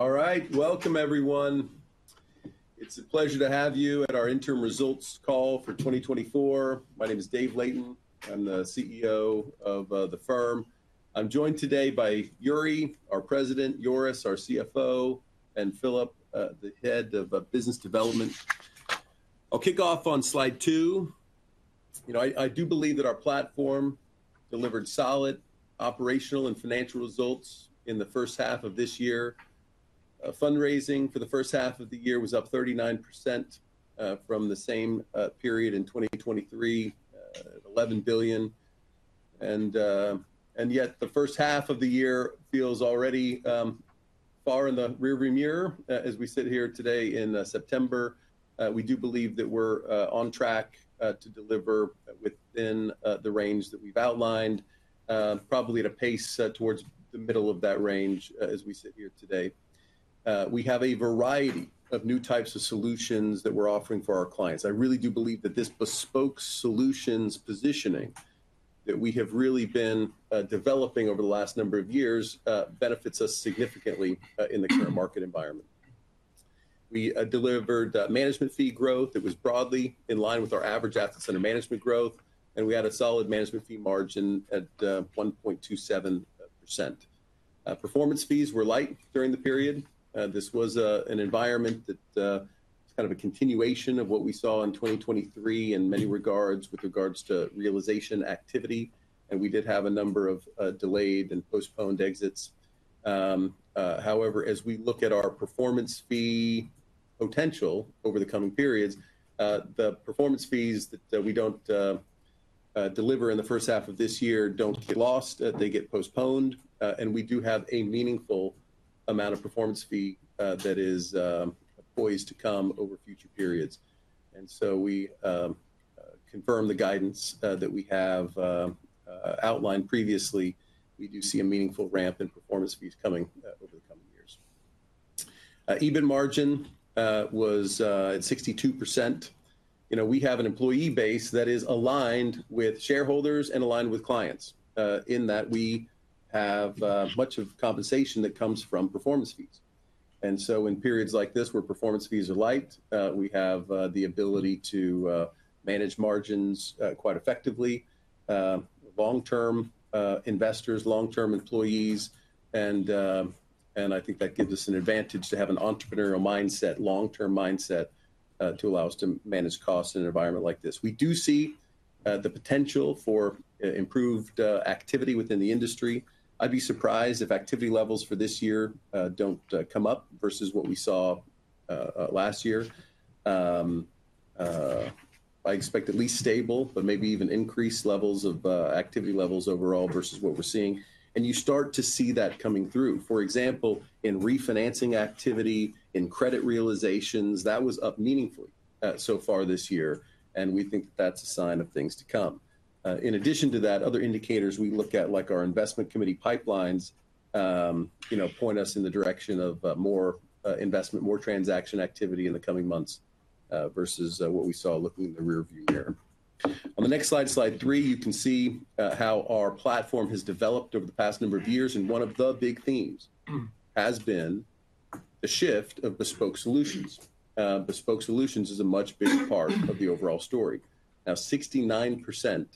All right. Welcome, everyone. It's a pleasure to have you at our Interim Results Call for 2024. My name is David Layton. I'm the CEO of the firm. I'm joined today by Juri, our President, Joris, our CFO, and Philip, the Head of Business Development. I'll kick off on slide two. You know, I do believe that our platform delivered solid operational and financial results in the first half of this year. Fundraising for the first half of the year was up 39% from the same period in 2023, $11 billion. And yet the first half of the year feels already far in the rearview mirror, as we sit here today in September. We do believe that we're on track to deliver within the range that we've outlined, probably at a pace towards the middle of that range, as we sit here today. We have a variety of new types of solutions that we're offering for our clients. I really do believe that this bespoke solutions positioning, that we have really been developing over the last number of years, benefits us significantly in the current market environment. We delivered management fee growth that was broadly in line with our average assets under management growth, and we had a solid management fee margin at 1.27%. Performance fees were light during the period. This was an environment that kind of a continuation of what we saw in 2023 in many regards with regards to realization activity, and we did have a number of delayed and postponed exits. However, as we look at our performance fee potential over the coming periods, the performance fees that we don't deliver in the first half of this year don't get lost, they get postponed. We do have a meaningful amount of performance fee that is poised to come over future periods. We confirm the guidance that we have outlined previously. We do see a meaningful ramp in performance fees coming over the coming years. EBIT margin was at 62%. You know, we have an employee base that is aligned with shareholders and aligned with clients, in that we have much of compensation that comes from performance fees. And so in periods like this, where performance fees are light, we have the ability to manage margins quite effectively. Long-term investors, long-term employees, and I think that gives us an advantage to have an entrepreneurial mindset, long-term mindset, to allow us to manage costs in an environment like this. We do see the potential for improved activity within the industry. I'd be surprised if activity levels for this year don't come up versus what we saw last year. I expect at least stable, but maybe even increased levels of activity levels overall versus what we're seeing. You start to see that coming through. For example, in refinancing activity, in credit realizations, that was up meaningfully, so far this year, and we think that's a sign of things to come. In addition to that, other indicators we look at, like our investment committee pipelines, you know, point us in the direction of more investment, more transaction activity in the coming months, versus what we saw looking in the rearview mirror. On the next slide, slide three, you can see how our platform has developed over the past number of years, and one of the big themes has been the shift of bespoke solutions. Bespoke solutions is a much bigger part of the overall story. Now, 69%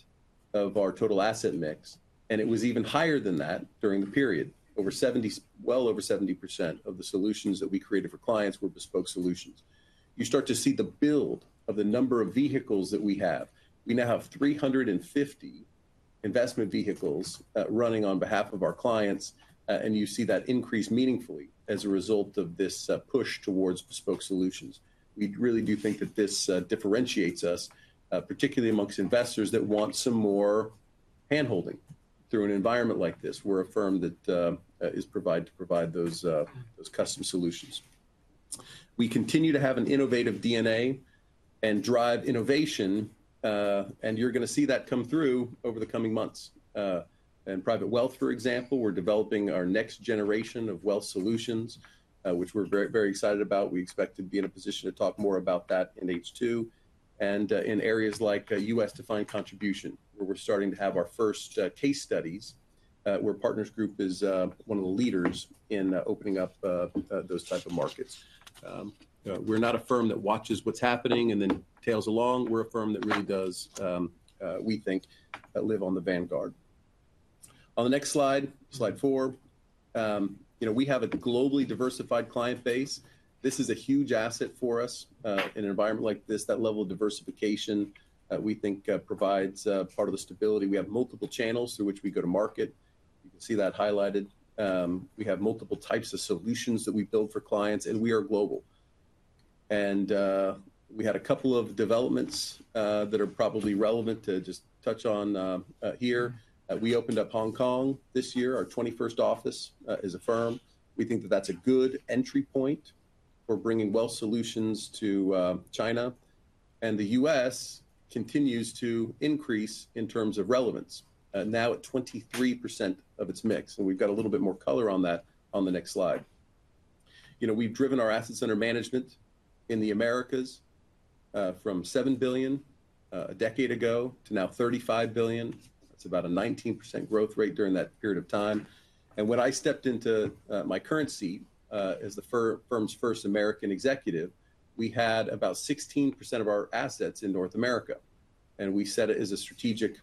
of our total asset mix, and it was even higher than that during the period. Over 70%, well over 70% of the solutions that we created for clients were bespoke solutions. You start to see the build of the number of vehicles that we have. We now have 350 investment vehicles running on behalf of our clients, and you see that increase meaningfully as a result of this push towards bespoke solutions. We really do think that this differentiates us, particularly amongst investors that want some more hand-holding through an environment like this. We're a firm that to provide those custom solutions. We continue to have an innovative DNA and drive innovation, and you're gonna see that come through over the coming months. In private wealth, for example, we're developing our next generation of wealth solutions, which we're very, very excited about. We expect to be in a position to talk more about that in H2, and in areas like U.S. defined contribution, where we're starting to have our first case studies, where Partners Group is one of the leaders in opening up those type of markets. We're not a firm that watches what's happening and then tails along. We're a firm that really does, we think, live on the vanguard. On the next slide, slide four, you know, we have a globally diversified client base. This is a huge asset for us. In an environment like this, that level of diversification, we think, provides part of the stability. We have multiple channels through which we go to market. You can see that highlighted. We have multiple types of solutions that we build for clients, and we are global. And we had a couple of developments that are probably relevant to just touch on here. We opened up Hong Kong this year, our 21st office, as a firm. We think that that's a good entry point for bringing wealth solutions to China. And the U.S. continues to increase in terms of relevance, now at 23% of its mix, and we've got a little bit more color on that on the next slide. You know, we've driven our assets under management in the Americas from $7 billion a decade ago to now $35 billion. That's about a 19% growth rate during that period of time. When I stepped into my current seat as the firm's first American executive, we had about 16% of our assets in North America, and we set it as a strategic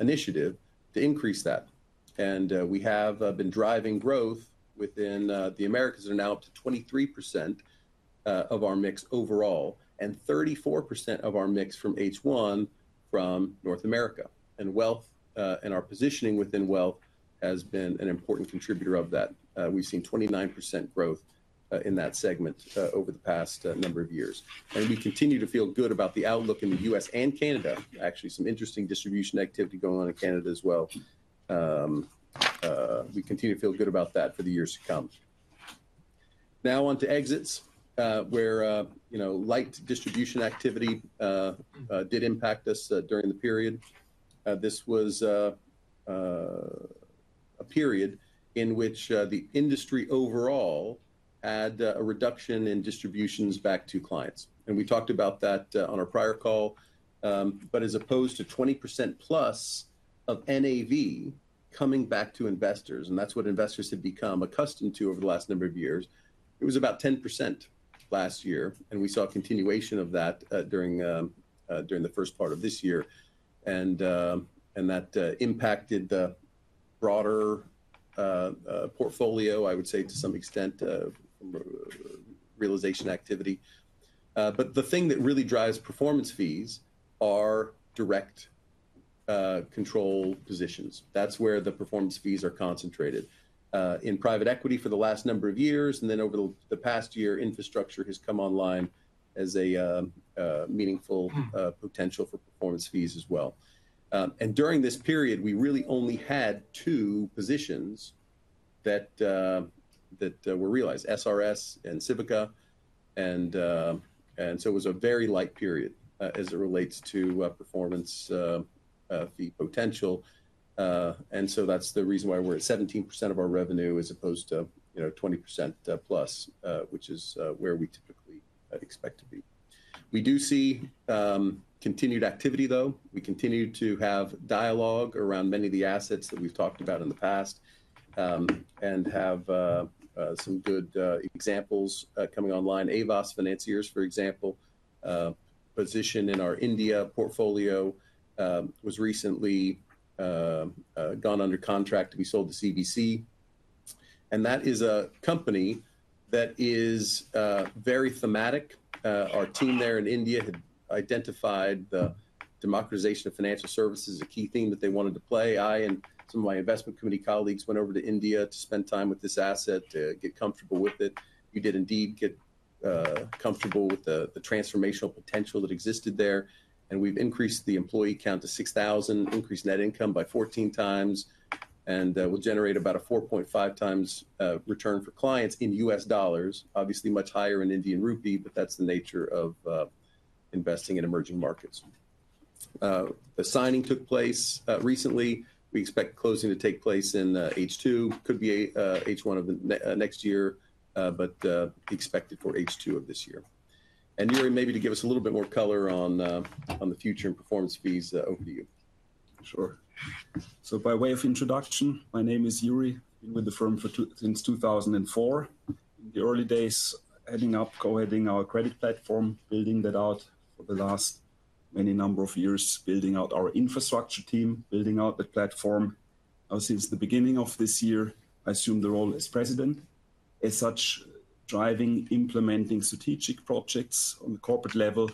initiative to increase that. We have been driving growth within the Americas, are now up to 23% of our mix overall, and 34% of our mix from H1 from North America. Wealth and our positioning within wealth has been an important contributor of that. We've seen 29% growth in that segment over the past number of years. We continue to feel good about the outlook in the U.S. and Canada. Actually, some interesting distribution activity going on in Canada as well. We continue to feel good about that for the years to come. Now on to exits, where, you know, light distribution activity did impact us during the period. This was a period in which the industry overall had a reduction in distributions back to clients. And we talked about that on our prior call. But as opposed to 20% plus of NAV coming back to investors, and that's what investors have become accustomed to over the last number of years, it was about 10% last year, and we saw a continuation of that during the first part of this year. And that impacted the broader portfolio, I would say, to some extent, realization activity. But the thing that really drives performance fees are direct control positions. That's where the performance fees are concentrated. In private equity for the last number of years, and then over the past year, infrastructure has come online as a meaningful- Hmm... potential for performance fees as well. During this period, we really only had two positions that were realized, SRS and Civica, and so it was a very light period as it relates to performance fee potential. So that's the reason why we're at 17% of our revenue as opposed to, you know, 20% plus, which is where we typically I'd expect to be. We do see continued activity, though. We continue to have dialogue around many of the assets that we've talked about in the past and have some good examples coming online. Aavas Financiers, for example, a position in our India portfolio, was recently gone under contract to be sold to CVC. That is a company that is very thematic. Our team there in India had identified the democratization of financial services, a key theme that they wanted to play. I and some of my investment committee colleagues went over to India to spend time with this asset, to get comfortable with it. We did indeed get comfortable with the transformational potential that existed there, and we've increased the employee count to 6,000, increased net income by 14x, and will generate about a 4.5x return for clients in U.S. dollars. Obviously, much higher in Indian rupee, but that's the nature of investing in emerging markets. The signing took place recently. We expect closing to take place in H2. Could be an H1 of the next year, but expected for H2 of this year, and Juri, maybe to give us a little bit more color on the future and performance fees overview. Sure. So by way of introduction, my name is Juri. Been with the firm since 2004. In the early days, heading up, co-heading our credit platform, building that out for the last many number of years, building out our infrastructure team, building out the platform. Since the beginning of this year, I assumed the role as President, as such, driving, implementing strategic projects on the corporate level,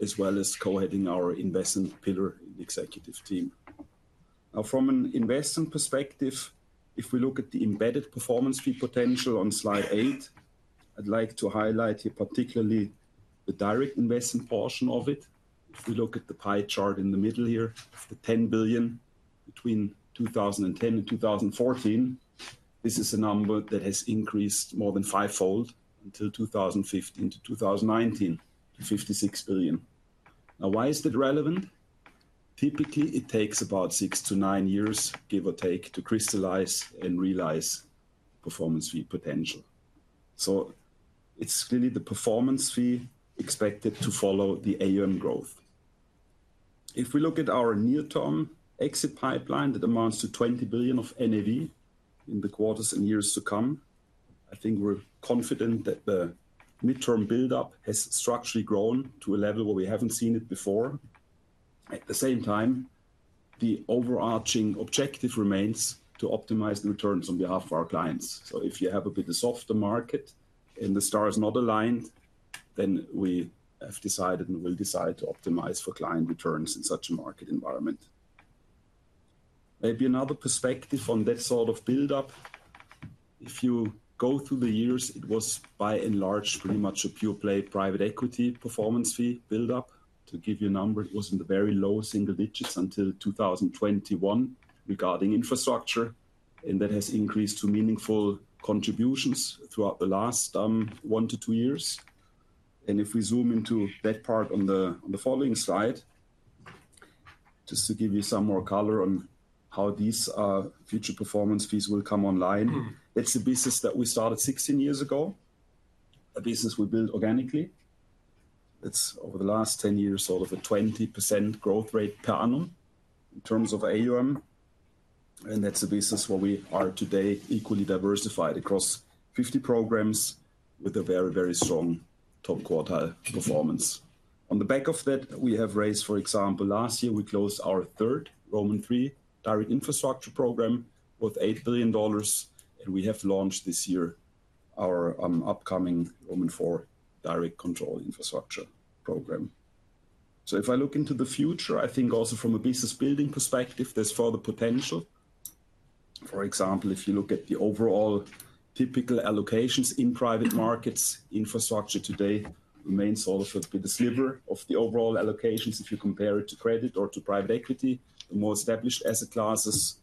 as well as co-heading our investment pillar in the executive team. Now, from an investment perspective, if we look at the embedded performance fee potential on slide eight, I'd like to highlight here particularly the direct investment portion of it. If you look at the pie chart in the middle here, the $10 billion between 2010 and 2014, this is a number that has increased more than fivefold until 2015-2019, to $56 billion. Now, why is that relevant? Typically, it takes about six to nine years, give or take, to crystallize and realize performance fee potential. So it's clearly the performance fee expected to follow the AUM growth. If we look at our near-term exit pipeline, that amounts to $20 billion of NAV in the quarters and years to come. I think we're confident that the midterm buildup has structurally grown to a level where we haven't seen it before. At the same time, the overarching objective remains to optimize the returns on behalf of our clients. So if you have a bit of softer market and the star is not aligned, then we have decided and will decide to optimize for client returns in such a market environment. Maybe another perspective on that sort of buildup, if you go through the years, it was by and large, pretty much a pure play, private equity performance fee buildup. To give you a number, it was in the very low single digits until 2021 regarding infrastructure, and that has increased to meaningful contributions throughout the last one to two years. And if we zoom into that part on the following slide. Just to give you some more color on how these future performance fees will come online. It's a business that we started sixteen years ago, a business we built organically. It's over the last ten years, sort of a 20% growth rate per annum in terms of AUM, and that's a business where we are today equally diversified across 50 programs with a very, very strong top quartile performance. On the back of that, we have raised, for example, last year, we closed our third Direct Infrastructure III direct infrastructure program with $8 billion, and we have launched this year our upcoming Direct Infrastructure IV direct control infrastructure program. So if I look into the future, I think also from a business building perspective, there's further potential. For example, if you look at the overall typical allocations in private markets, infrastructure today remains sort of with the sliver of the overall allocations, if you compare it to credit or to private equity, the more established asset classes.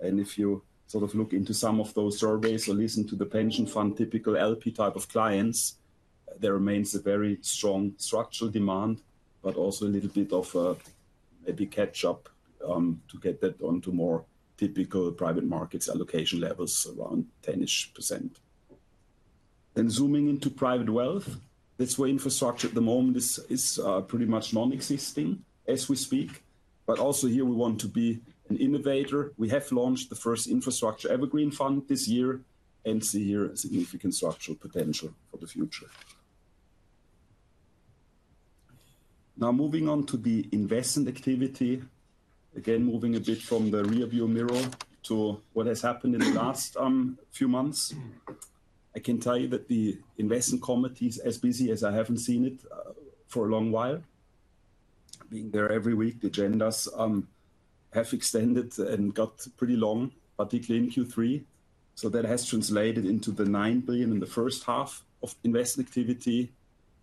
And if you sort of look into some of those surveys or listen to the pension fund, typical LP type of clients, there remains a very strong structural demand, but also a little bit of maybe catch up to get that on to more typical private markets allocation levels around 10-ish%. Then zooming into private wealth, that's where infrastructure at the moment is pretty much non-existing as we speak. But also here, we want to be an innovator. We have launched the first infrastructure evergreen fund this year and see here a significant structural potential for the future. Now, moving on to the investment activity. Again, moving a bit from the rearview mirror to what has happened in the last few months. I can tell you that the investment committee is as busy as I haven't seen it for a long while. Being there every week, the agendas have extended and got pretty long, particularly in Q3. So that has translated into the $9 billion in the first half of investment activity.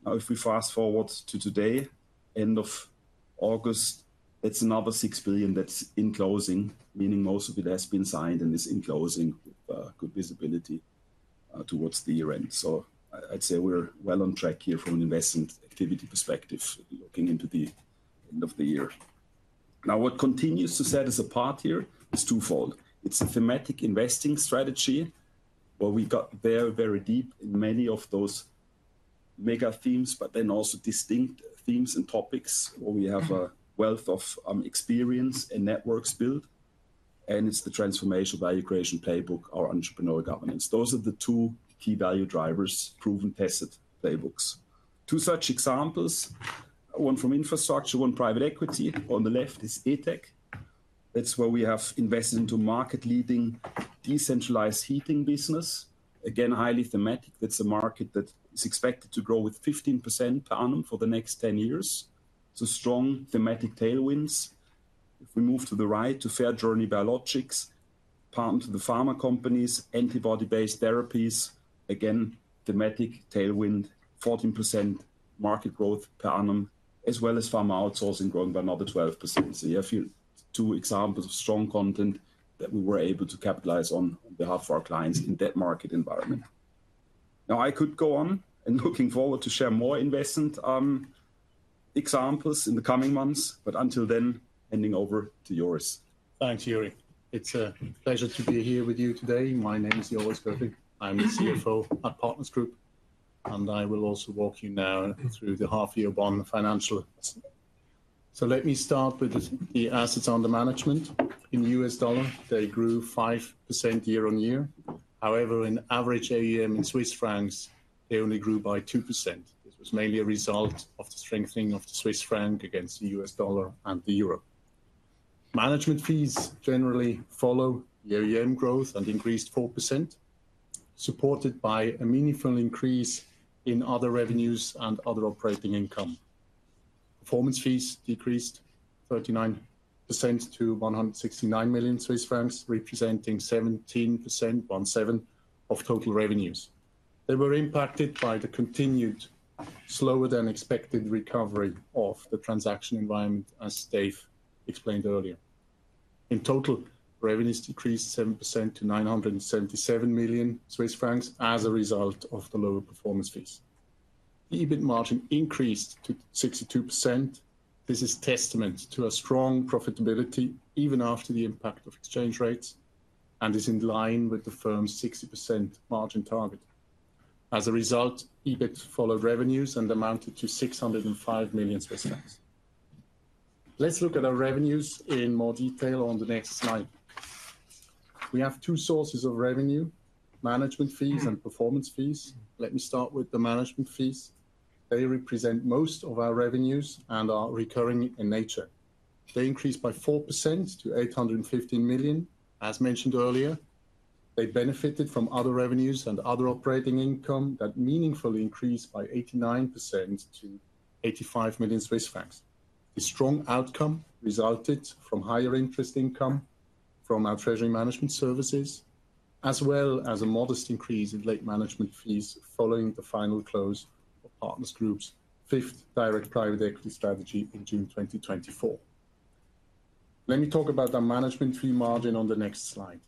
Now, if we fast forward to today, end of August, it's another $6 billion that's in closing, meaning most of it has been signed and is in closing, good visibility towards the year end. So I'd say we're well on track here from an investment activity perspective, looking into the end of the year. Now, what continues to set us apart here is twofold. It's a thematic investing strategy, where we got very, very deep in many of those mega themes, but then also distinct themes and topics, where we have a wealth of experience and networks built, and it's the transformational value creation playbook, our entrepreneurial governance. Those are the two key value drivers, proven, tested playbooks. Two such examples, one from infrastructure, one private equity. On the left is Eteck. That's where we have invested into market leading decentralized heating business. Again, highly thematic. That's a market that is expected to grow with 15% per annum for the next 10 years. So strong thematic tailwinds. If we move to the right, to FairJourney Biologics, partner to the pharma companies, antibody-based therapies, again, thematic tailwind, 14% market growth per annum, as well as pharma outsourcing, growing by another 12%. So you have two examples of strong content that we were able to capitalize on, on behalf of our clients in that market environment. Now, I could go on and looking forward to share more investment examples in the coming months, but until then, handing over to Joris. Thanks, Juri. It's a pleasure to be here with you today. My name is Joris Gröflin. I'm the CFO at Partners Group, and I will also walk you now through the half year one financial. Let me start with the assets under management. In U.S. dollar, they grew 5% year-on-year. However, in average AUM in Swiss francs, they only grew by 2%. This was mainly a result of the strengthening of the Swiss franc against the U.S. dollar and the euro. Management fees generally follow the AUM growth and +4%, supported by a meaningful increase in other revenues and other operating income. Performance fees -39% to 169 million Swiss francs, representing 17% of total revenues. They were impacted by the continued slower than expected recovery of the transaction environment, as Dave explained earlier. In total, revenues decreased 7% to 977 million Swiss francs as a result of the lower performance fees. The EBIT margin increased to 62%. This is testament to a strong profitability, even after the impact of exchange rates, and is in line with the firm's 60% margin target. As a result, EBIT followed revenues and amounted to 605 million Swiss francs. Let's look at our revenues in more detail on the next slide. We have two sources of revenue, management fees and performance fees. Let me start with the management fees. They represent most of our revenues and are recurring in nature. They increased by 4% to 850 million. As mentioned earlier, they benefited from other revenues and other operating income that meaningfully increased by 89% to 85 million Swiss francs. The strong outcome resulted from higher interest income from our treasury management services, as well as a modest increase in late management fees following the final close of Partners Group's fifth direct private equity strategy in June 2024. Let me talk about the management fee margin on the next slide.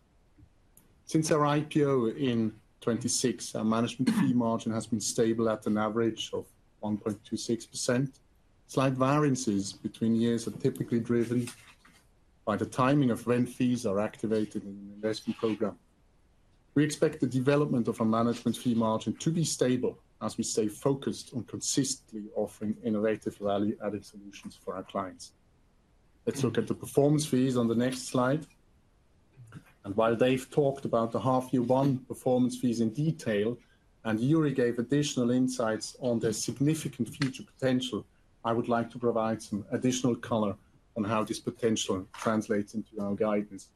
Since our IPO in 2006, our management fee margin has been stable at an average of 1.26%. Slight variances between years are typically driven by the timing of when fees are activated in an investment program. We expect the development of our management fee margin to be stable, as we stay focused on consistently offering innovative value-added solutions for our clients. Let's look at the performance fees on the next slide. While Dave talked about the half year one performance fees in detail, and Juri gave additional insights on their significant future potential, I would like to provide some additional color on how this potential translates into our guidance.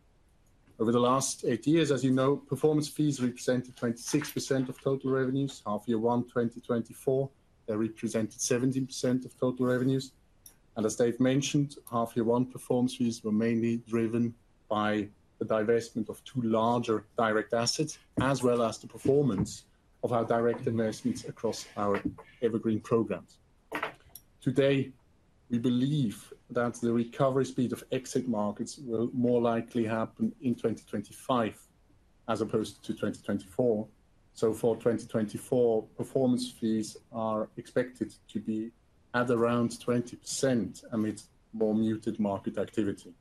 Over the last eight years, as you know, performance fees represented 26% of total revenues. Half year one, 2024, they represented 17% of total revenues. And as Dave mentioned, half year one performance fees were mainly driven by the divestment of two larger direct assets, as well as the performance of our direct investments across our evergreen programs. Today, we believe that the recovery speed of exit markets will more likely happen in 2025 as opposed to 2024. So for 2024, performance fees are expected to be at around 20% amidst more muted market activity.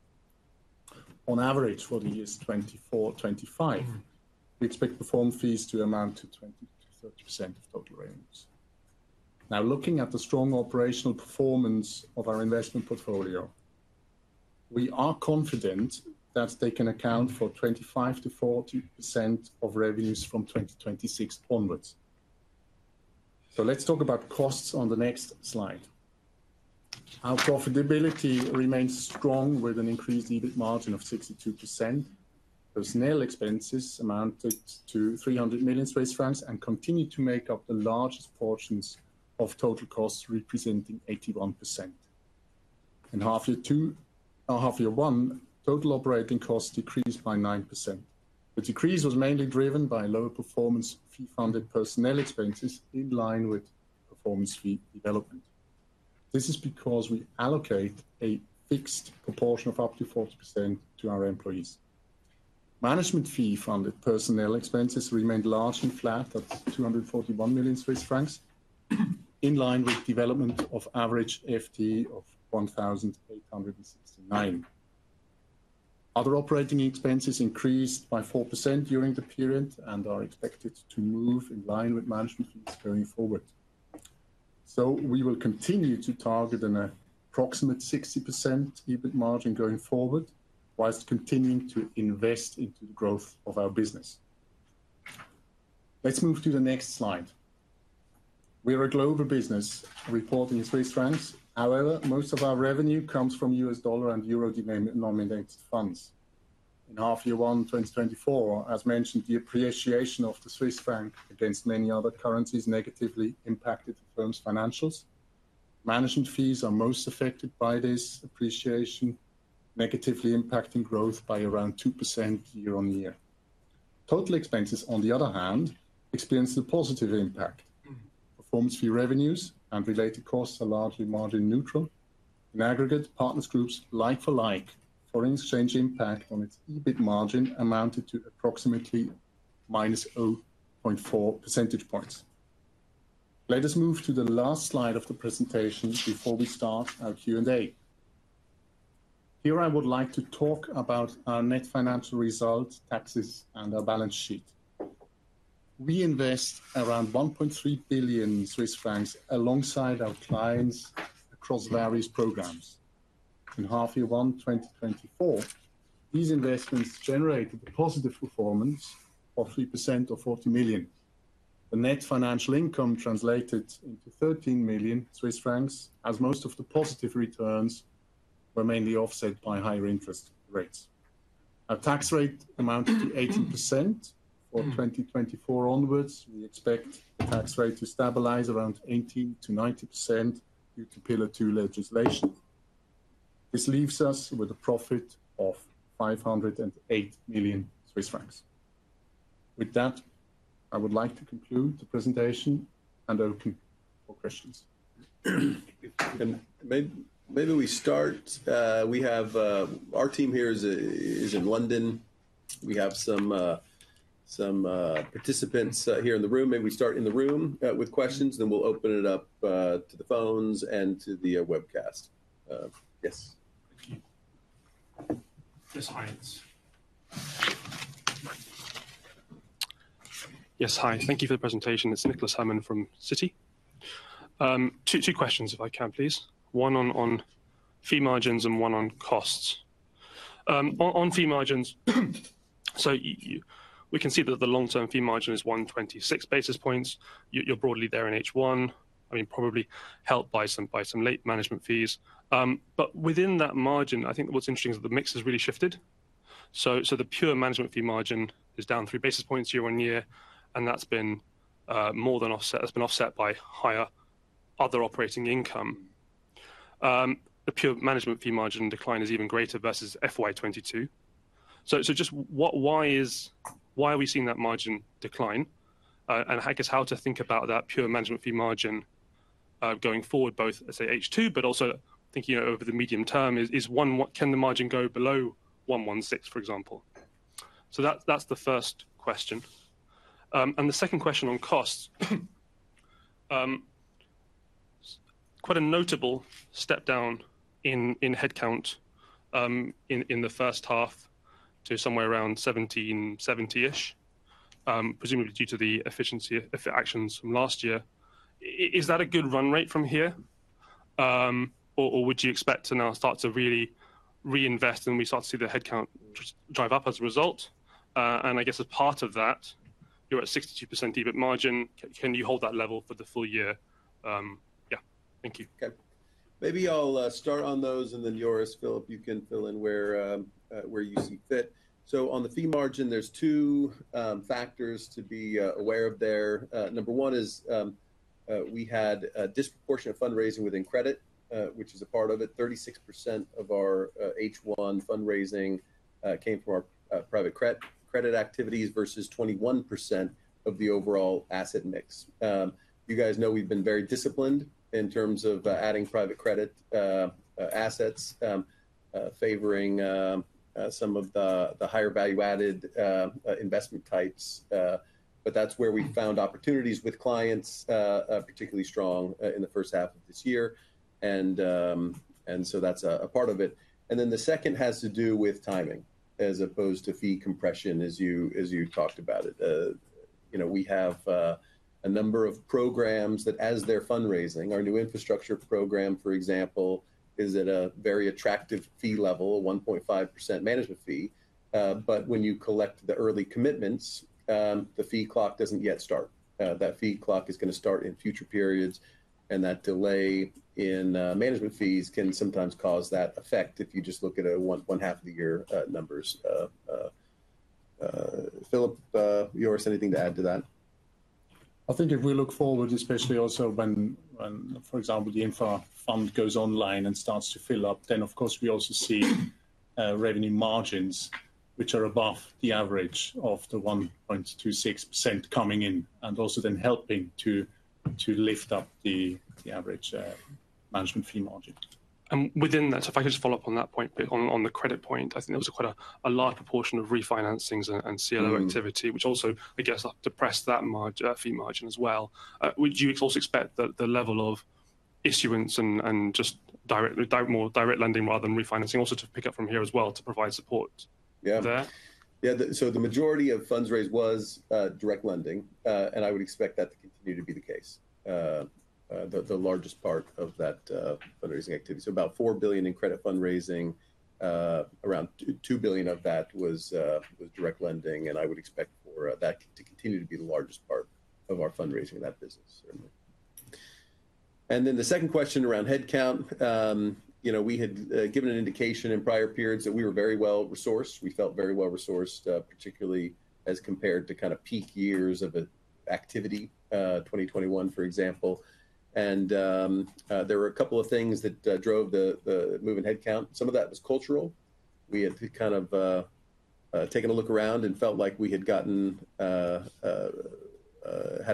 On average, for the years 2024, 2025, we expect performance fees to amount to 20%-30% of total revenues. Now, looking at the strong operational performance of our investment portfolio, we are confident that they can account for 25%-40% of revenues from 2026 onwards. Let's talk about costs on the next slide. Our profitability remains strong, with an increased EBIT margin of 62%. Personnel expenses amounted to 300 million Swiss francs and continue to make up the largest portions of total costs, representing 81%. In half year two, half year one, total operating costs decreased by 9%. The decrease was mainly driven by lower performance fee-funded personnel expenses, in line with performance fee development. This is because we allocate a fixed proportion of up to 40% to our employees. Management fee-funded personnel expenses remained largely flat at 241 million Swiss francs, in line with development of average FTE of 1,869. Other operating expenses increased by 4% during the period and are expected to move in line with management fees going forward. So we will continue to target an approximate 60% EBIT margin going forward, while continuing to invest into the growth of our business. Let's move to the next slide. We are a global business reporting in Swiss francs. However, most of our revenue comes from US dollar and euro-denominated funds. In half year one, 2024, as mentioned, the appreciation of the Swiss franc against many other currencies negatively impacted the firm's financials. Management fees are most affected by this appreciation, negatively impacting growth by around 2% year-on-year. Total expenses, on the other hand, experienced a positive impact. Performance fee revenues and related costs are largely margin neutral. In aggregate, Partners Group's like-for-like foreign exchange impact on its EBIT margin amounted to approximately minus 0.4 percentage points. Let us move to the last slide of the presentation before we start our Q&A. Here, I would like to talk about our net financial results, taxes, and our balance sheet. We invest around 1.3 billion Swiss francs alongside our clients across various programs. In half year one, 2024, these investments generated a positive performance of 3% or 40 million. The net financial income translated into 13 million Swiss francs, as most of the positive returns were mainly offset by higher interest rates. Our tax rate amounted to 18%. For 2024 onwards, we expect the tax rate to stabilize around 18%-90% due to Pillar Two legislation. This leaves us with a profit of 508 million Swiss francs. With that, I would like to conclude the presentation and open for questions. And maybe we start. We have our team here is in London. We have some participants here in the room. Maybe we start in the room with questions, then we'll open it up to the phones and to the webcast. Yes? Thank you. Yes, hi. Yes. Hi, thank you for the presentation. It's Nicholas Herman from Citi. Two questions, if I can, please. One on fee margins and one on costs. On fee margins, so you—we can see that the long-term fee margin is 126 basis points. You're broadly there in H1, I mean, probably helped by some late management fees. But within that margin, I think what's interesting is the mix has really shifted. So the pure management fee margin is down 3 basis points year-on-year, and that's been more than offset. It's been offset by higher other operating income. The pure management fee margin decline is even greater versus FY 2022. So just what—why is, why are we seeing that margin decline? And I guess how to think about that pure management fee margin going forward, both, let's say H2, but also thinking over the medium term. Can the margin go below 116, for example? So that's the first question. And the second question on costs. Quite a notable step down in headcount in the first half to somewhere around 1,770-ish, presumably due to the efficiency actions from last year. Is that a good run rate from here? Or would you expect to now start to really reinvest, and we start to see the headcount drive up as a result? And I guess as part of that, you're at 62% EBIT margin. Can you hold that level for the full year? Yeah. Thank you. Okay. Maybe I'll start on those and then Joris, Philip, you can fill in where you see fit. So on the fee margin, there's two factors to be aware of there. Number one is we had a disproportionate fundraising within credit, which is a part of it. 36% of our H1 fundraising came from our private credit activities versus 21% of the overall asset mix. You guys know, we've been very disciplined in terms of adding private credit assets, favoring some of the higher value-added investment types, but that's where we found opportunities with clients, particularly strong in the first half of this year. And so that's a part of it. And then the second has to do with timing as opposed to fee compression, as you, as you talked about it. You know, we have a number of programs that as they're fundraising, our new infrastructure program, for example, is at a very attractive fee level, a 1.5% management fee. But when you collect the early commitments, the fee clock doesn't yet start. That fee clock is gonna start in future periods, and that delay in management fees can sometimes cause that effect if you just look at a one-and-a-half-year numbers. Philip, Joris, anything to add to that? I think if we look forward, especially also when, for example, the infra fund goes online and starts to fill up, then of course, we also see revenue margins, which are above the average of the 1.26% coming in, and also then helping to lift up the average management fee margin. And within that, so if I could just follow up on that point, but on the credit point, I think there was quite a large proportion of refinancings and CLO activity- Mm. -which also, I guess, depressed that fee margin as well. Would you also expect that the level of issuance and just more direct lending rather than refinancing, also to pick up from here as well to provide support- Yeah. -there? Yeah. So the majority of funds raised was direct lending, and I would expect that to continue to be the case, the largest part of that fundraising activity. So about $4 billion in credit fundraising, around $2 billion of that was direct lending, and I would expect for that to continue to be the largest part of our fundraising in that business, certainly. And then the second question around headcount, you know, we had given an indication in prior periods that we were very well-resourced. We felt very well-resourced, particularly as compared to kind of peak years of activity, 2021, for example. And there were a couple of things that drove the move in headcount. Some of that was cultural. We had to kind of taken a look around and felt like we had gotten a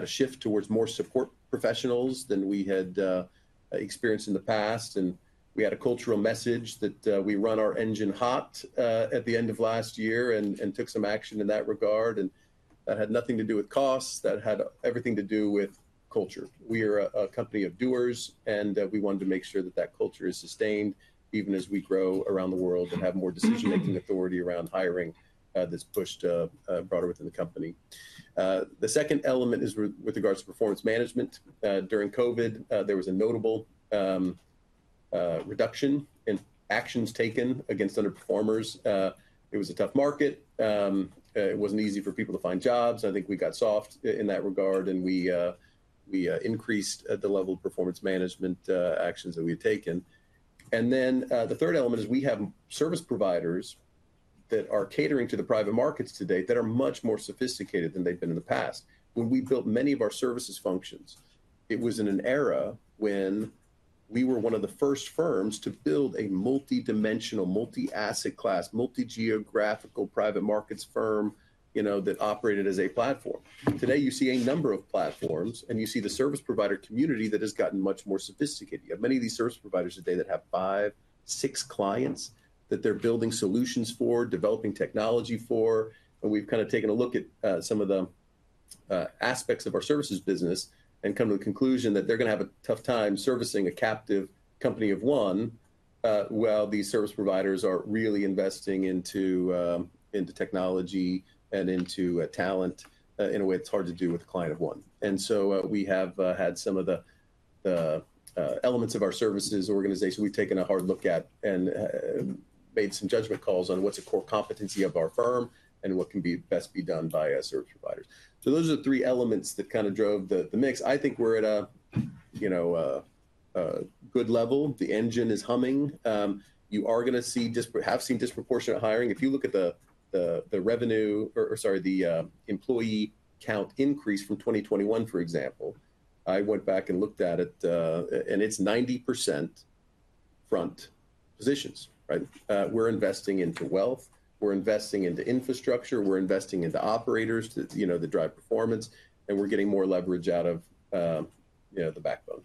shift towards more support professionals than we had experienced in the past, and we had a cultural message that we run our engine hot at the end of last year and took some action in that regard, and that had nothing to do with costs. That had everything to do with culture. We are a company of doers, and we wanted to make sure that that culture is sustained even as we grow around the world and have more decision-making authority around hiring this push broader within the company. The second element is with regards to performance management. During COVID there was a notable reduction in actions taken against underperformers. It was a tough market. It wasn't easy for people to find jobs. I think we got soft in that regard, and we increased the level of performance management actions that we had taken. Then, the third element is we have service providers that are catering to the private markets today that are much more sophisticated than they've been in the past. When we built many of our services functions, it was in an era when we were one of the first firms to build a multidimensional, multi-asset class, multi-geographical private markets firm, you know, that operated as a platform. Today, you see a number of platforms, and you see the service provider community that has gotten much more sophisticated. You have many of these service providers today that have five, six clients, that they're building solutions for, developing technology for, and we've kind of taken a look at some of the aspects of our services business and come to the conclusion that they're gonna have a tough time servicing a captive company of one, while these service providers are really investing into technology and into talent in a way that's hard to do with a client of one, and so we have had some of the elements of our services organization, we've taken a hard look at and made some judgment calls on what's a core competency of our firm and what can best be done by our service providers, so those are the three elements that kind of drove the mix. I think we're at a, you know, a good level. The engine is humming. You are gonna see dispro-- have seen disproportionate hiring. If you look at the revenue, or sorry, the employee count increase from 2021, for example, I went back and looked at it, and it's 90% front positions, right? We're investing into wealth, we're investing into infrastructure, we're investing into operators that, you know, that drive performance, and we're getting more leverage out of, you know, the backbone.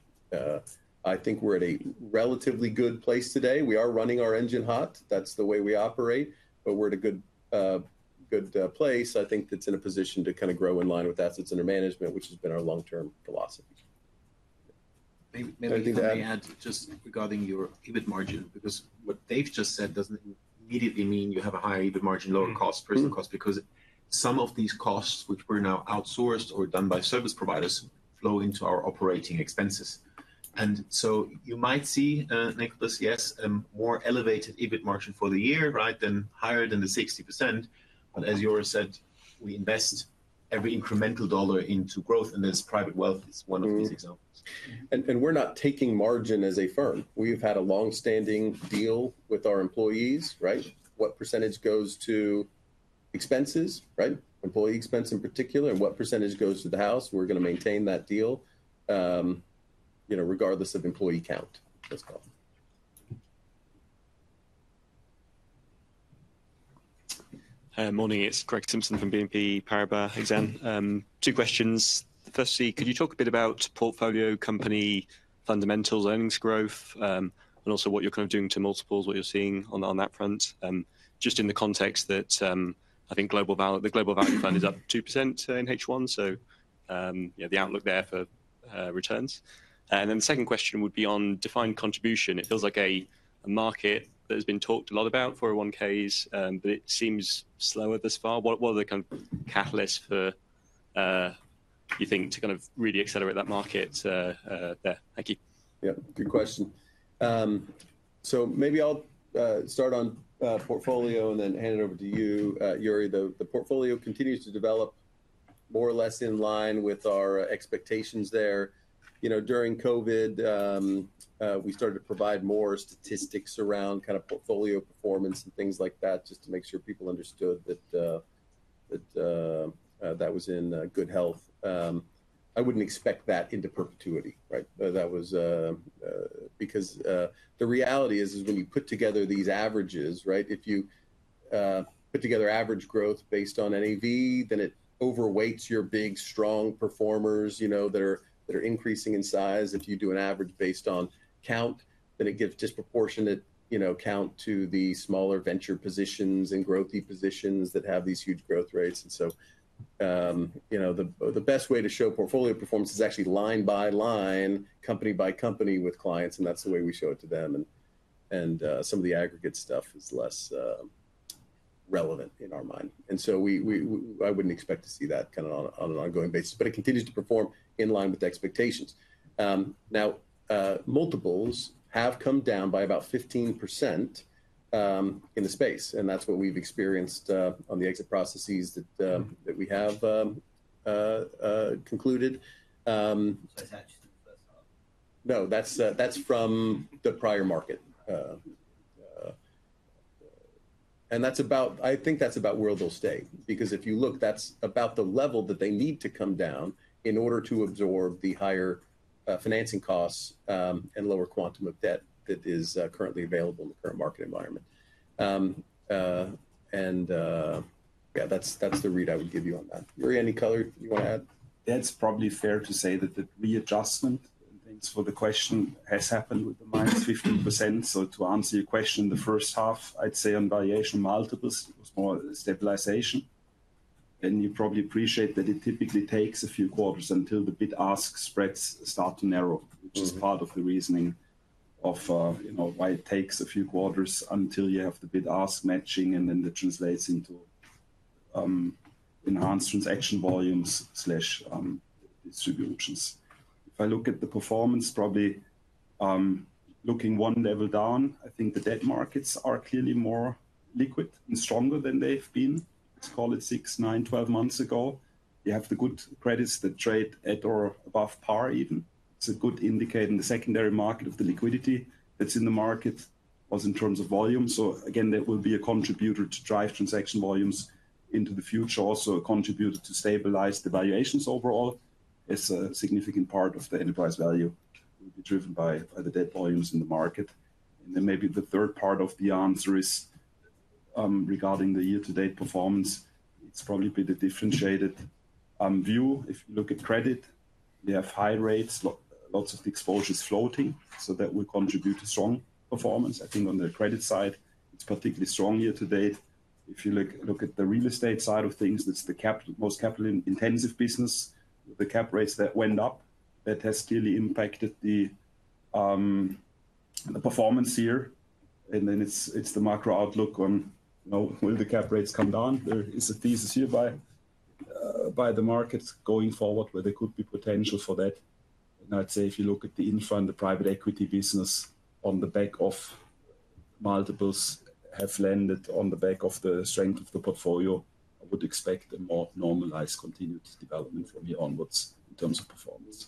I think we're at a relatively good place today. We are running our engine hot. That's the way we operate, but we're at a good place. I think that's in a position to kind of grow in line with assets under management, which has been our long-term philosophy. Maybe, maybe I may add just regarding your EBIT margin, because what Dave just said doesn't immediately mean you have a higher EBIT margin, lower cost, personnel cost. Because some of these costs, which were now outsourced or done by service providers, flow into our operating expenses. And so you might see, Nicholas, yes, more elevated EBIT margin for the year, right, than higher than the 60%. But as you already said, we invest every incremental dollar into growth, and this private wealth is one of these examples. Mm-hmm. And we're not taking margin as a firm. We've had a long-standing deal with our employees, right? What percentage goes to expenses, right? Employee expense in particular, and what percentage goes to the house. We're gonna maintain that deal, you know, regardless of employee count, as well. Morning, it's Greg Simpson from BNP Paribas Exane. Two questions. Firstly, could you talk a bit about portfolio company fundamentals, earnings growth, and also what you're kind of doing to multiples, what you're seeing on that front? Just in the context that I think Global Value, the Global Value Fund is up 2% in H1, so yeah, the outlook there for returns. And then the second question would be on defined contribution. It feels like a market that has been talked a lot about, 401(k)s, but it seems slower thus far. What are the kind of catalysts for you think to kind of really accelerate that market there? Thank you. Yeah, good question. So maybe I'll start on portfolio and then hand it over to you, Juri. The portfolio continues to develop more or less in line with our expectations there. You know, during COVID, we started to provide more statistics around kind of portfolio performance and things like that, just to make sure people understood that that was in good health. I wouldn't expect that into perpetuity, right? That was... Because the reality is when you put together these averages, right, if you put together average growth based on NAV, then it overweights your big, strong performers, you know, that are increasing in size. If you do an average based on count, then it gives disproportionate, you know, count to the smaller venture positions and growthy positions that have these huge growth rates. And so, you know, the best way to show portfolio performance is actually line by line, company by company with clients, and that's the way we show it to them, and some of the aggregate stuff is less relevant in our mind. And so I wouldn't expect to see that kind of on an ongoing basis, but it continues to perform in line with expectations. Now, multiples have come down by about 15%, in the space, and that's what we've experienced on the exit processes that we have concluded. That's just the first half? No, that's from the prior market, and that's about, I think that's about where they'll stay. Because if you look, that's about the level that they need to come down in order to absorb the higher financing costs, and lower quantum of debt that is currently available in the current market environment, and yeah, that's the read I would give you on that. Juri, any color you wanna add? It's probably fair to say that the readjustment, thanks for the question, has happened with the -15%. So to answer your question, the first half, I'd say on valuation multiples, it was more stabilization. Then you probably appreciate that it typically takes a few quarters until the bid-ask spreads start to narrow, which is part of the reasoning of, you know, why it takes a few quarters until you have the bid-ask matching, and then that translates into, enhanced transaction volumes slash, distributions. If I look at the performance, probably, looking one level down, I think the debt markets are clearly more liquid and stronger than they've been. Let's call it six, nine, twelve months ago. You have the good credits that trade at or above par even. It's a good indicator in the secondary market of the liquidity that's in the market, as in terms of volume. So again, that will be a contributor to drive transaction volumes into the future. Also, a contributor to stabilize the valuations overall. It's a significant part of the enterprise value will be driven by the debt volumes in the market. And then maybe the third part of the answer is regarding the year-to-date performance. It's probably a bit of a differentiated view. If you look at credit, they have high rates, lots of exposures floating, so that will contribute to strong performance. I think on the credit side, it's particularly strong year to date. If you look at the real estate side of things, that's the most capital-intensive business. The cap rates that went up, that has clearly impacted the performance here, and then it's the macro outlook on, you know, will the cap rates come down? There is a thesis here by the markets going forward, where there could be potential for that, and I'd say if you look at the infra and the private equity business on the back of multiples have landed on the back of the strength of the portfolio, I would expect a more normalized, continued development from here onwards in terms of performance.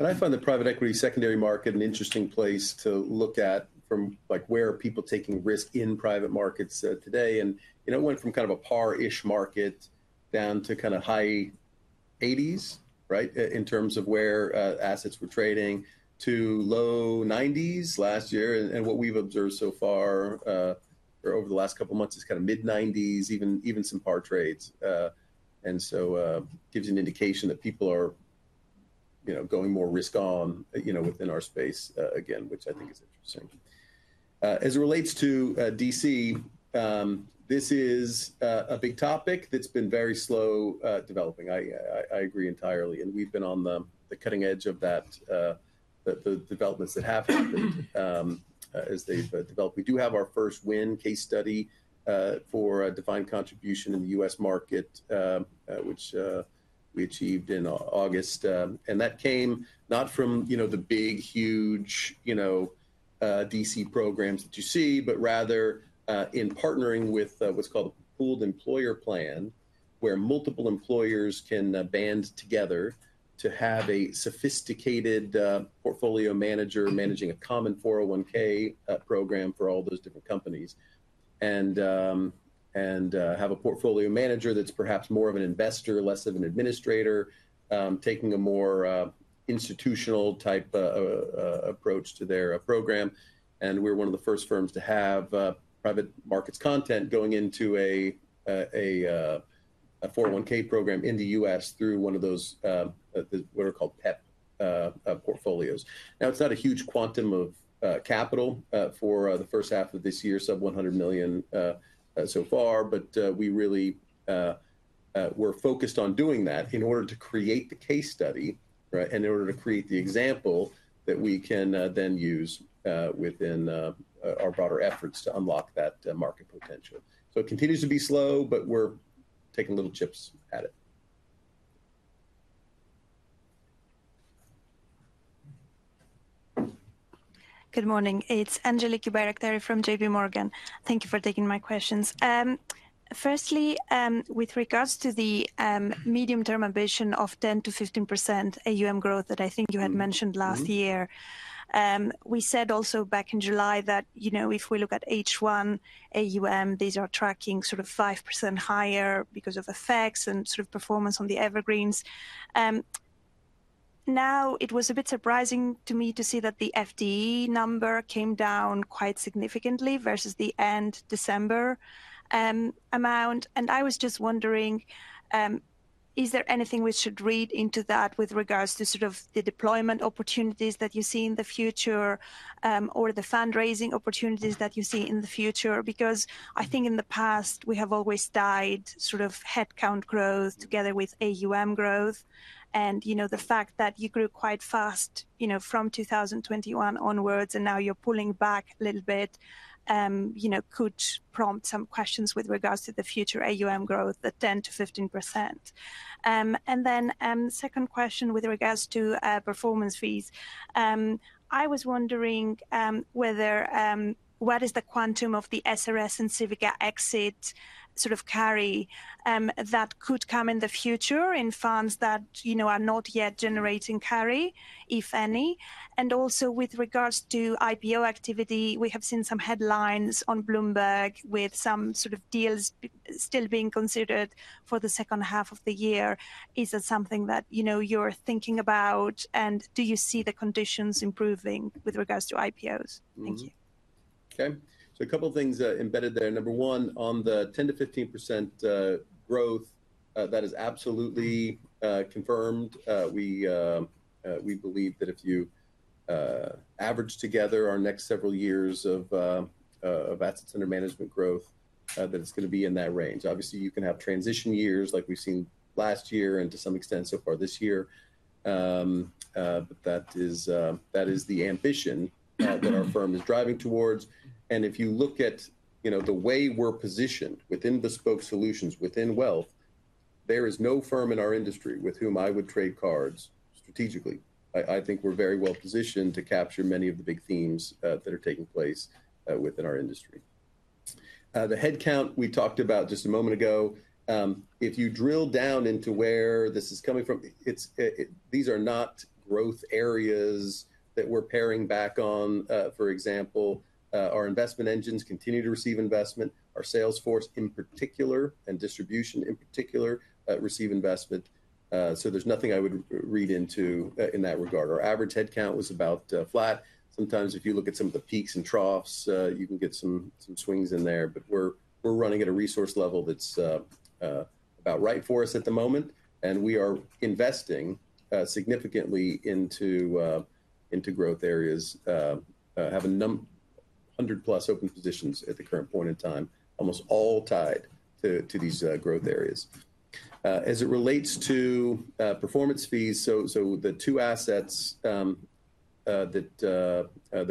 I find the private equity secondary market an interesting place to look at from, like, where are people taking risk in private markets today? You know, it went from kind of a par-ish market down to kind of high eighties, right? In terms of where assets were trading to low nineties last year, and what we've observed so far or over the last couple of months is kind of mid-nineties, even some par trades, and so gives you an indication that people are, you know, going more risk on, you know, within our space again, which I think is interesting. As it relates to DC, this is a big topic that's been very slow developing. I agree entirely. We've been on the cutting edge of that, the developments that have happened, as they've developed. We do have our first one case study for a defined contribution in the U.S. market, which we achieved in August, and that came not from, you know, the big, huge, you know, DC programs that you see, but rather in partnering with what's called a Pooled Employer Plan, where multiple employers can band together to have a sophisticated portfolio manager managing a common 401(k) program for all those different companies and have a portfolio manager that's perhaps more of an investor, less of an administrator, taking a more institutional type approach to their program. We're one of the first firms to have private markets content going into a 401(k) program in the U.S. through one of those what are called PEP portfolios. Now, it's not a huge quantum of capital for the first half of this year, sub $100 million so far, but we really are focused on doing that in order to create the case study, right, and in order to create the example that we can then use within our broader efforts to unlock that market potential. It continues to be slow, but we're taking little chips at it. Good morning. It's Angeliki Bairaktari from J.P. Morgan. Thank you for taking my questions. Firstly, with regards to the medium-term ambition of 10%-15% AUM growth that I think you had mentioned last year. Mm-hmm. We said also back in July that, you know, if we look at H1 AUM, these are tracking sort of 5% higher because of effects and sort of performance on the evergreens. Now, it was a bit surprising to me to see that the FTE number came down quite significantly versus the end December amount. And I was just wondering, is there anything we should read into that with regards to sort of the deployment opportunities that you see in the future, or the fundraising opportunities that you see in the future? Because I think in the past, we have always tied sort of headcount growth together with AUM growth. You know, the fact that you grew quite fast, you know, from 2021 onwards, and now you're pulling back a little bit, you know, could prompt some questions with regards to the future AUM growth at 10%-15%. And then, second question with regards to performance fees. I was wondering whether what is the quantum of the SRS and Civica exit sort of carry that could come in the future in funds that, you know, are not yet generating carry, if any? And also, with regards to IPO activity, we have seen some headlines on Bloomberg with some sort of deals still being considered for the second half of the year. Is that something that, you know, you're thinking about, and do you see the conditions improving with regards to IPOs? Mm-hmm. Thank you. Okay. So a couple of things embedded there. Number one, on the 10%-15% growth, that is absolutely confirmed. We believe that if you average together our next several years of assets under management growth, that it's gonna be in that range. Obviously, you can have transition years like we've seen last year and to some extent so far this year. But that is the ambition that our firm is driving towards. And if you look at, you know, the way we're positioned within the bespoke solutions, within wealth, there is no firm in our industry with whom I would trade places strategically. I think we're very well positioned to capture many of the big themes that are taking place within our industry. The headcount we talked about just a moment ago, if you drill down into where this is coming from, it's these are not growth areas that we're paring back on. For example, our investment engines continue to receive investment. Our sales force, in particular, and distribution, in particular, receive investment. So there's nothing I would read into, in that regard. Our average headcount was about flat. Sometimes if you look at some of the peaks and troughs, you can get some swings in there, but we're running at a resource level that's about right for us at the moment, and we are investing significantly into growth areas, have a hundred plus open positions at the current point in time, almost all tied to these growth areas. As it relates to performance fees, so the two assets that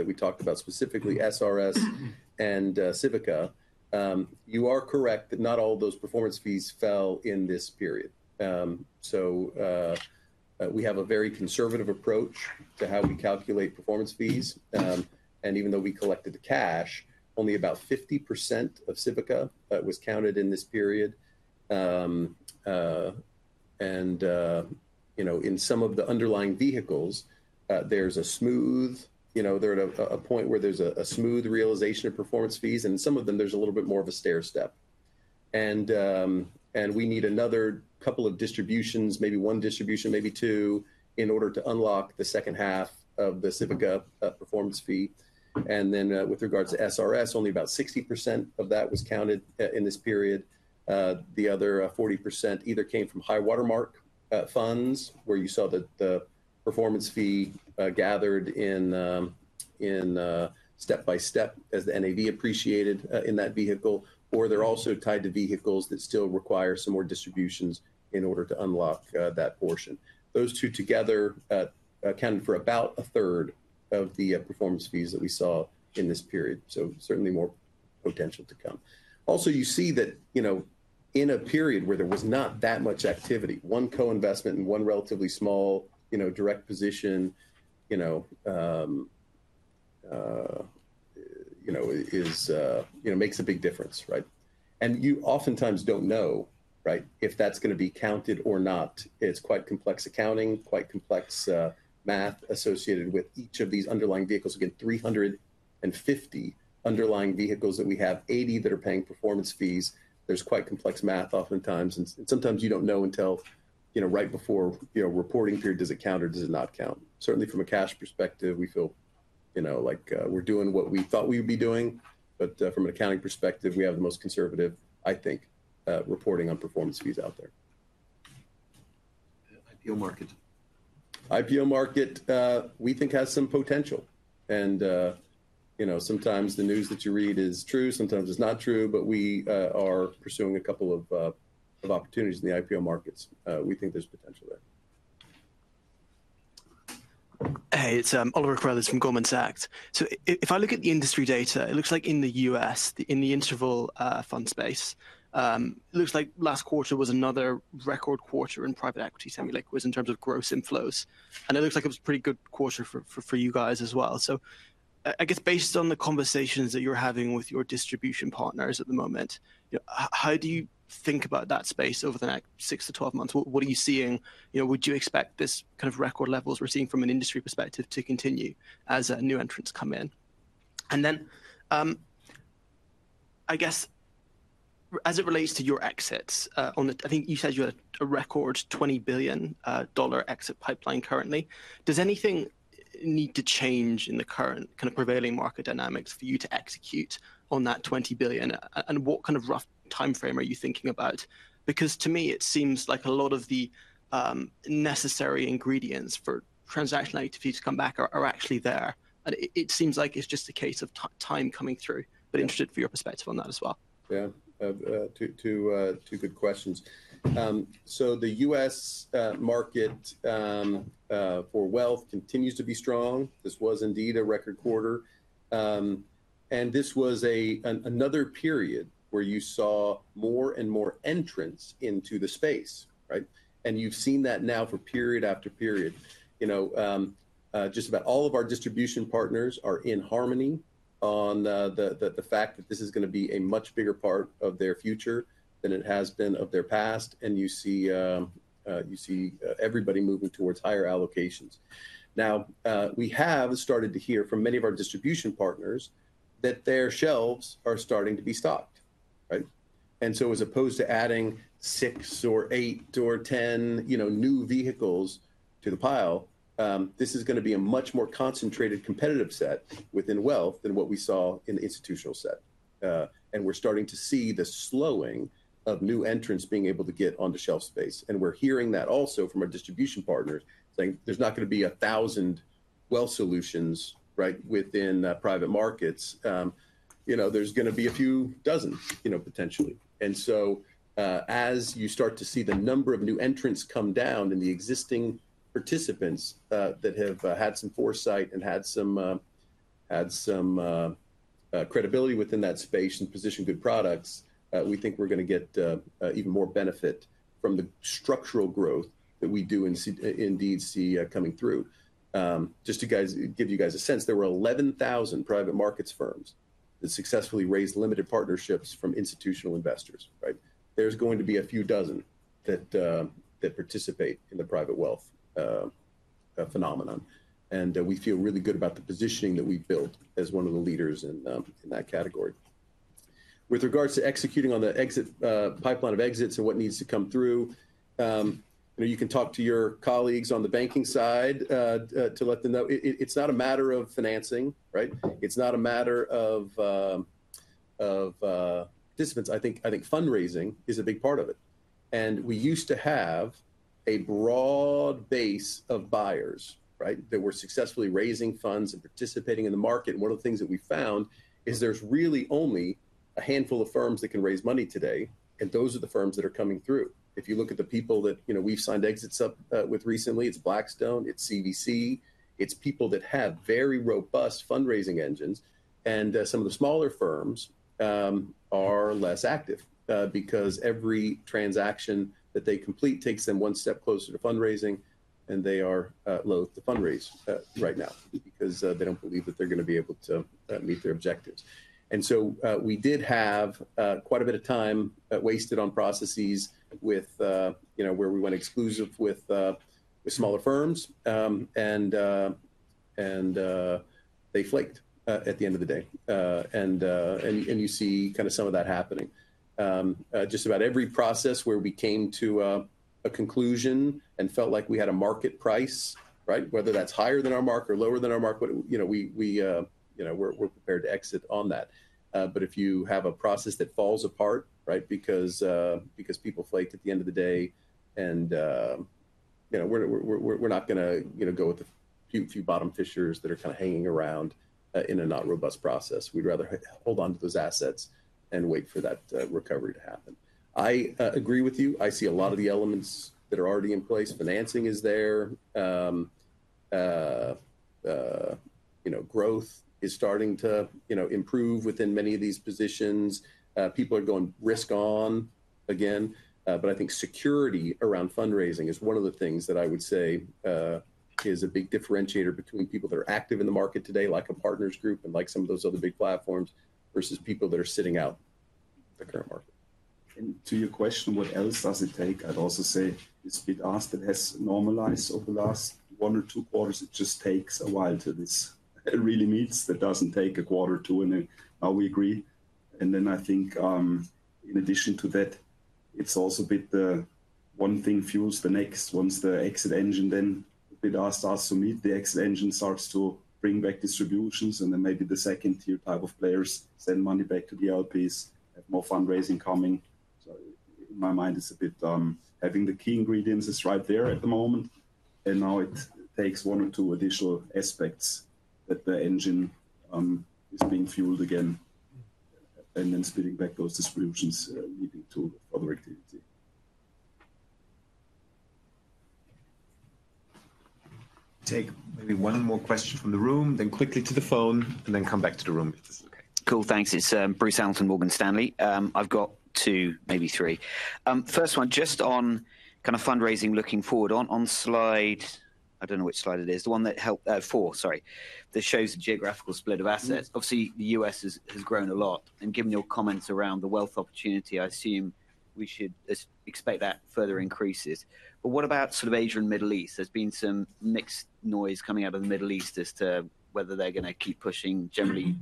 we talked about, specifically SRS and Civica, you are correct that not all of those performance fees fell in this period. So, we have a very conservative approach to how we calculate performance fees, and even though we collected the cash, only about 50% of Civica was counted in this period. And you know, in some of the underlying vehicles, there's a smooth, you know, they're at a point where there's a smooth realization of performance fees, and some of them there's a little bit more of a stairstep. And we need another couple of distributions, maybe one distribution, maybe two, in order to unlock the second half of the Civica performance fee. And then, with regards to SRS, only about 60% of that was counted in this period. The other 40% either came from high watermark funds, where you saw the performance fee gathered in step by step as the NAV appreciated in that vehicle, or they're also tied to vehicles that still require some more distributions in order to unlock that portion. Those two together account for about a third of the performance fees that we saw in this period, so certainly more potential to come. Also, you see that, you know, in a period where there was not that much activity, one co-investment and one relatively small, you know, direct position, you know, makes a big difference, right? You oftentimes don't know, right, if that's gonna be counted or not. It's quite complex accounting, quite complex math associated with each of these underlying vehicles. Again, 350 underlying vehicles that we have, 80 that are paying performance fees. There's quite complex math oftentimes, and sometimes you don't know until, you know, right before, you know, reporting period, does it count or does it not count? Certainly from a cash perspective, we feel, you know, like, we're doing what we thought we'd be doing, but from an accounting perspective, we have the most conservative, I think, reporting on performance fees out there. IPO market. IPO market, we think has some potential. And, you know, sometimes the news that you read is true, sometimes it's not true, but we are pursuing a couple of opportunities in the IPO markets. We think there's potential there. Hey, it's Oliver Carruthers from Goldman Sachs. So if I look at the industry data, it looks like in the U.S., in the interval fund space, it looks like last quarter was another record quarter in private equity, same like it was in terms of gross inflows. And it looks like it was a pretty good quarter for you guys as well. So I guess based on the conversations that you're having with your distribution partners at the moment, how do you think about that space over the next six to twelve months? What are you seeing? You know, would you expect this kind of record levels we're seeing from an industry perspective to continue as new entrants come in? And then, I guess as it relates to your exits, on the, I think you said you had a record $20 billion exit pipeline currently. Does anything need to change in the current kind of prevailing market dynamics for you to execute on that $20 billion? And what kind of rough timeframe are you thinking about? Because to me, it seems like a lot of the necessary ingredients for transaction activity to come back are actually there. And it seems like it's just a case of time coming through, but interested for your perspective on that as well. Yeah. Two good questions. So the U.S. market for wealth continues to be strong. This was indeed a record quarter. And this was another period where you saw more and more entrants into the space, right? And you've seen that now for period after period. You know, just about all of our distribution partners are in harmony on the fact that this is gonna be a much bigger part of their future than it has been of their past, and you see everybody moving towards higher allocations. Now, we have started to hear from many of our distribution partners that their shelves are starting to be stocked, right? And so as opposed to adding six or eight or 10, you know, new vehicles to the pile, this is gonna be a much more concentrated competitive set within wealth than what we saw in the institutional set. And we're starting to see the slowing of new entrants being able to get on the shelf space. And we're hearing that also from our distribution partners, saying there's not gonna be a thousand wealth solutions, right, within private markets. You know, there's gonna be a few dozen, you know, potentially. As you start to see the number of new entrants come down and the existing participants that have had some foresight and had some credibility within that space and positioned good products, we think we're gonna get even more benefit from the structural growth that we do indeed see coming through. Just to give you guys a sense, there were 11,000 private markets firms that successfully raised limited partnerships from institutional investors, right? There's going to be a few dozen that participate in the private wealth phenomenon. We feel really good about the positioning that we've built as one of the leaders in that category. With regards to executing on the exit pipeline of exits and what needs to come through, you know, you can talk to your colleagues on the banking side to let them know, it's not a matter of financing, right? It's not a matter of participants. I think fundraising is a big part of it. And we used to have a broad base of buyers, right, that were successfully raising funds and participating in the market. And one of the things that we found is there's really only a handful of firms that can raise money today, and those are the firms that are coming through. If you look at the people that, you know, we've signed exits up with recently, it's Blackstone, it's CVC, it's people that have very robust fundraising engines, and some of the smaller firms are less active because every transaction that they complete takes them one step closer to fundraising and they are loath to fundraise right now because they don't believe that they're gonna be able to meet their objectives. And so we did have quite a bit of time wasted on processes with, you know, where we went exclusive with smaller firms, and you see kind of some of that happening. Just about every process where we came to a conclusion and felt like we had a market price, right? Whether that's higher than our mark or lower than our mark, but, you know, we're prepared to exit on that. But if you have a process that falls apart, right? Because people flaked at the end of the day, and, you know, we're not gonna, you know, go with the few bottom fishers that are kinda hanging around in a not robust process. We'd rather hold onto those assets and wait for that recovery to happen. I agree with you. I see a lot of the elements that are already in place. Financing is there. You know, growth is starting to, you know, improve within many of these positions. People are going risk on again. But I think security around fundraising is one of the things that I would say, is a big differentiator between people that are active in the market today, like Partners Group and like some of those other big platforms, versus people that are sitting out the current market. And to your question, what else does it take? I'd also say it's abated. It has normalized over the last one or two quarters. It just takes a while till this really heats. That doesn't take a quarter or two, and then we agree. And then I think, in addition to that, it's also a bit, one thing fuels the next. Once the exit engine, then it starts to heat, the exit engine starts to bring back distributions, and then maybe the second-tier type of players send money back to the LPs, have more fundraising coming. So in my mind, having the key ingredients is right there at the moment, and now it takes one or two additional aspects that the engine is being fueled again, and then spitting back those distributions, leading to other activity. Take maybe one more question from the room, then quickly to the phone, and then come back to the room, if this is okay. Cool, thanks. It's Bruce Hamilton, Morgan Stanley. I've got two, maybe three. First one, just on kind of fundraising looking forward. On slide... I don't know which slide it is, the one that has four, sorry, that shows the geographical split of assets. Mm-hmm. Obviously, the U.S. has grown a lot, and given your comments around the wealth opportunity, I assume we should expect that further increases. But what about sort of Asia and Middle East? There's been some mixed noise coming out of the Middle East as to whether they're gonna keep pushing. Mm-hmm. Generally,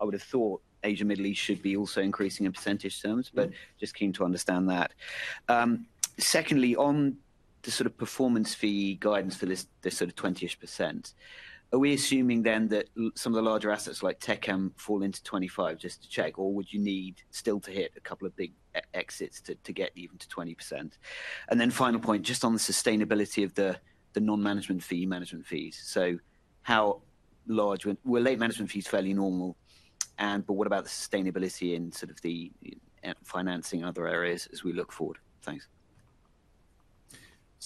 I would have thought Asia, Middle East should be also increasing in percentage terms- Mm-hmm... but just keen to understand that. Secondly, on the sort of performance fee guidance for this sort of 20-ish%, are we assuming then that some of the larger assets like Techem fall into 25%, just to check, or would you need still to hit a couple of big exits to get even to 20%? And then final point, just on the sustainability of the non-management fee, management fees. So how large... Well, late management fee is fairly normal, and but what about the sustainability in sort of the financing other areas as we look forward? Thanks.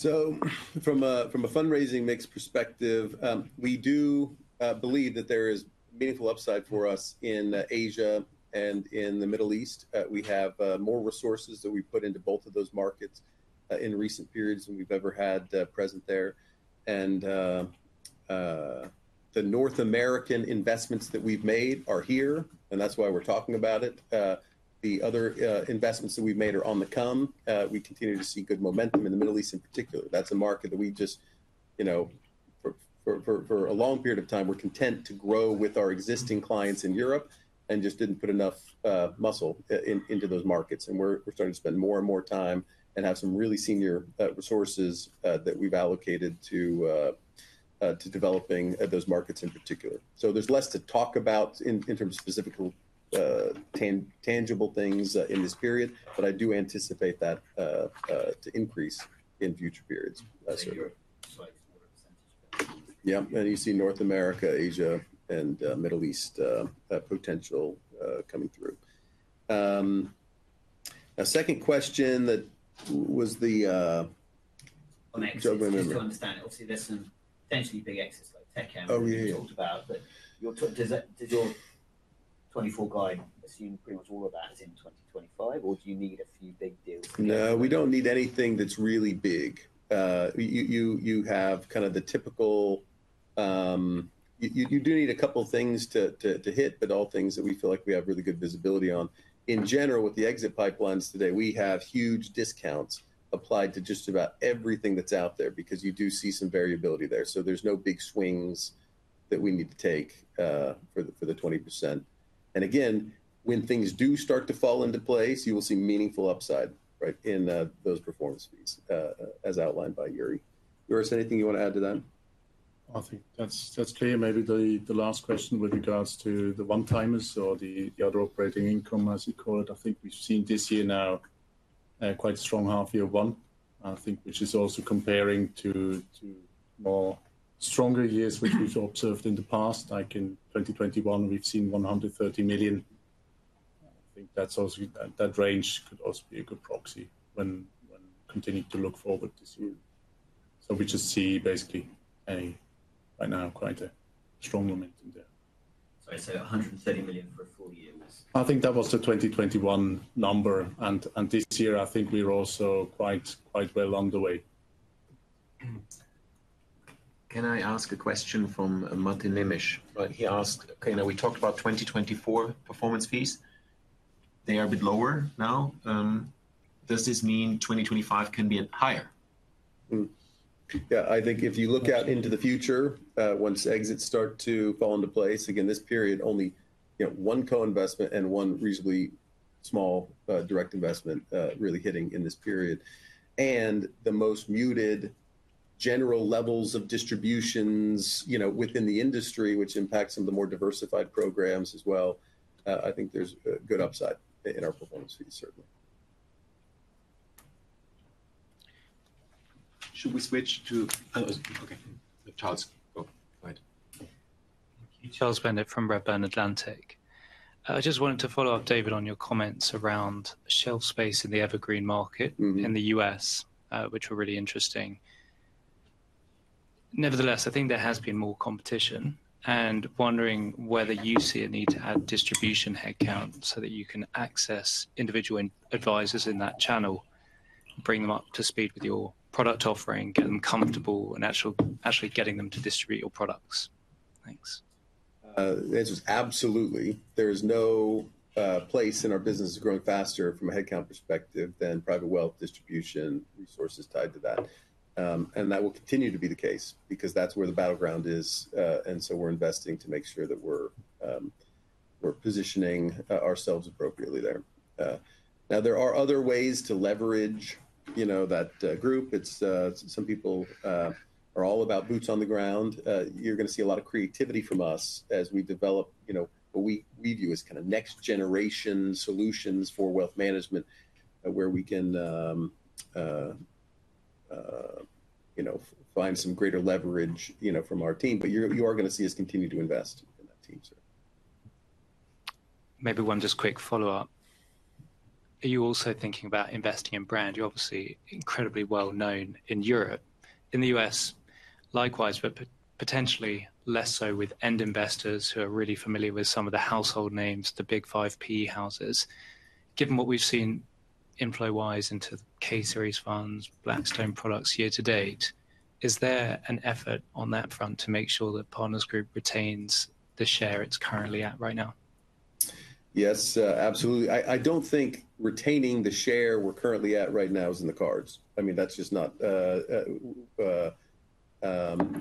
From a fundraising mix perspective, we do believe that there is meaningful upside for us in Asia and in the Middle East. We have more resources that we've put into both of those markets in recent periods than we've ever had present there. The North American investments that we've made are here, and that's why we're talking about it. The other investments that we've made are on the come. We continue to see good momentum in the Middle East in particular. That's a market that we just, you know, for a long period of time, were content to grow with our existing clients in Europe and just didn't put enough muscle into those markets. And we're starting to spend more and more time and have some really senior resources that we've allocated to developing those markets in particular. So there's less to talk about in terms of specific tangible things in this period, but I do anticipate that to increase in future periods as we go. You're slide four percentage. Yeah, and you see North America, Asia, and Middle East potential coming through. Now, second question that was the- On exit-... I don't remember. Just to understand, obviously, there's some potentially big exits, like Techem- Oh, yeah... we talked about, but does your 2024 guide assume pretty much all of that is in 2025, or do you need a few big deals? No, we don't need anything that's really big. You have kind of the typical. You do need a couple things to hit, but all things that we feel like we have really good visibility on. Mm-hmm. In general, with the exit pipelines today, we have huge discounts applied to just about everything that's out there because you do see some variability there. So there's no big swings that we need to take for the 20%. And again, when things do start to fall into place, you will see meaningful upside, right, in those performance fees as outlined by Juri. Joris, anything you want to add to that? I think that's, that's clear. Maybe the, the last question with regards to the one-timers or the, the other operating income, as you call it. I think we've seen this year now, quite a strong half year one, I think, which is also comparing to, to more stronger years which we've observed in the past. Like in 2021, we've seen 130 million. I think that's also, that range could also be a good proxy when, when continuing to look forward this year. So we just see basically a, right now, quite a strong momentum there. Sorry, so 130 million for a full year? I think that was the 2021 number, and this year, I think we're also quite well along the way. Can I ask a question from Mate Nemes? He asked, okay, now we talked about 2024 performance fees. They are a bit lower now. Does this mean 2025 can be higher? Yeah, I think if you look out into the future, once exits start to fall into place, again, this period, only, you know, one co-investment and one reasonably small, direct investment, really hitting in this period, and the most muted general levels of distributions, you know, within the industry, which impacts some of the more diversified programs as well, I think there's a good upside in our performance fees, certainly. Should we switch to okay, Charles? Oh, go ahead. Thank you. Charles Bendit from Redburn Atlantic. I just wanted to follow up, David, on your comments around shelf space in the Evergreen market. Mm-hmm... in the U.S., which were really interesting. Nevertheless, I think there has been more competition, and wondering whether you see a need to add distribution headcount so that you can access individual advisors in that channel, bring them up to speed with your product offering, get them comfortable, and actually getting them to distribute your products. Thanks. The answer is absolutely. There is no place in our business is growing faster from a headcount perspective than private wealth distribution resources tied to that. And that will continue to be the case because that's where the battleground is, and so we're investing to make sure that we're positioning ourselves appropriately there. Now, there are other ways to leverage, you know, that group. It's some people are all about boots on the ground. You're gonna see a lot of creativity from us as we develop, you know, what we view as kinda next generation solutions for wealth management, where we can, you know, find some greater leverage, you know, from our team, but you are gonna see us continue to invest in that team, so. Maybe one just quick follow-up. Are you also thinking about investing in brand? You're obviously incredibly well known in Europe, in the U.S. Likewise, but potentially less so with end investors who are really familiar with some of the household names, the big five PE houses. Given what we've seen inflow-wise into KKR series funds, Blackstone products year to date, is there an effort on that front to make sure that Partners Group retains the share it's currently at right now? Yes, absolutely. I don't think retaining the share we're currently at right now is in the cards. I mean, that's just not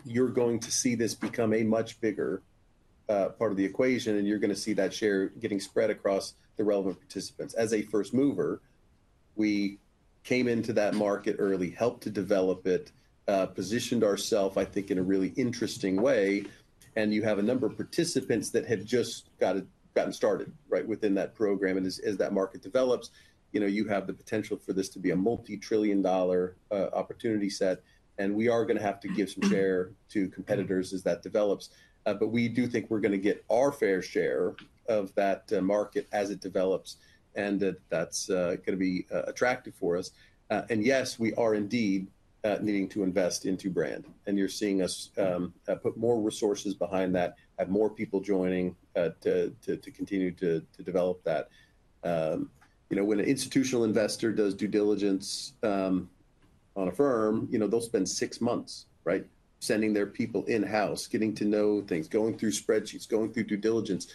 you're going to see this become a much bigger part of the equation, and you're gonna see that share getting spread across the relevant participants. As a first mover, we came into that market early, helped to develop it, positioned ourself, I think, in a really interesting way, and you have a number of participants that have just got it, gotten started, right? Within that program, and as that market develops, you know, you have the potential for this to be a multi-trillion dollar opportunity set, and we are gonna have to give some share to competitors as that develops. But we do think we're gonna get our fair share of that market as it develops, and that's gonna be attractive for us. And yes, we are indeed needing to invest into brand, and you're seeing us put more resources behind that, have more people joining to continue to develop that. You know, when an institutional investor does due diligence on a firm, you know, they'll spend six months, right? Sending their people in-house, getting to know things, going through spreadsheets, going through due diligence.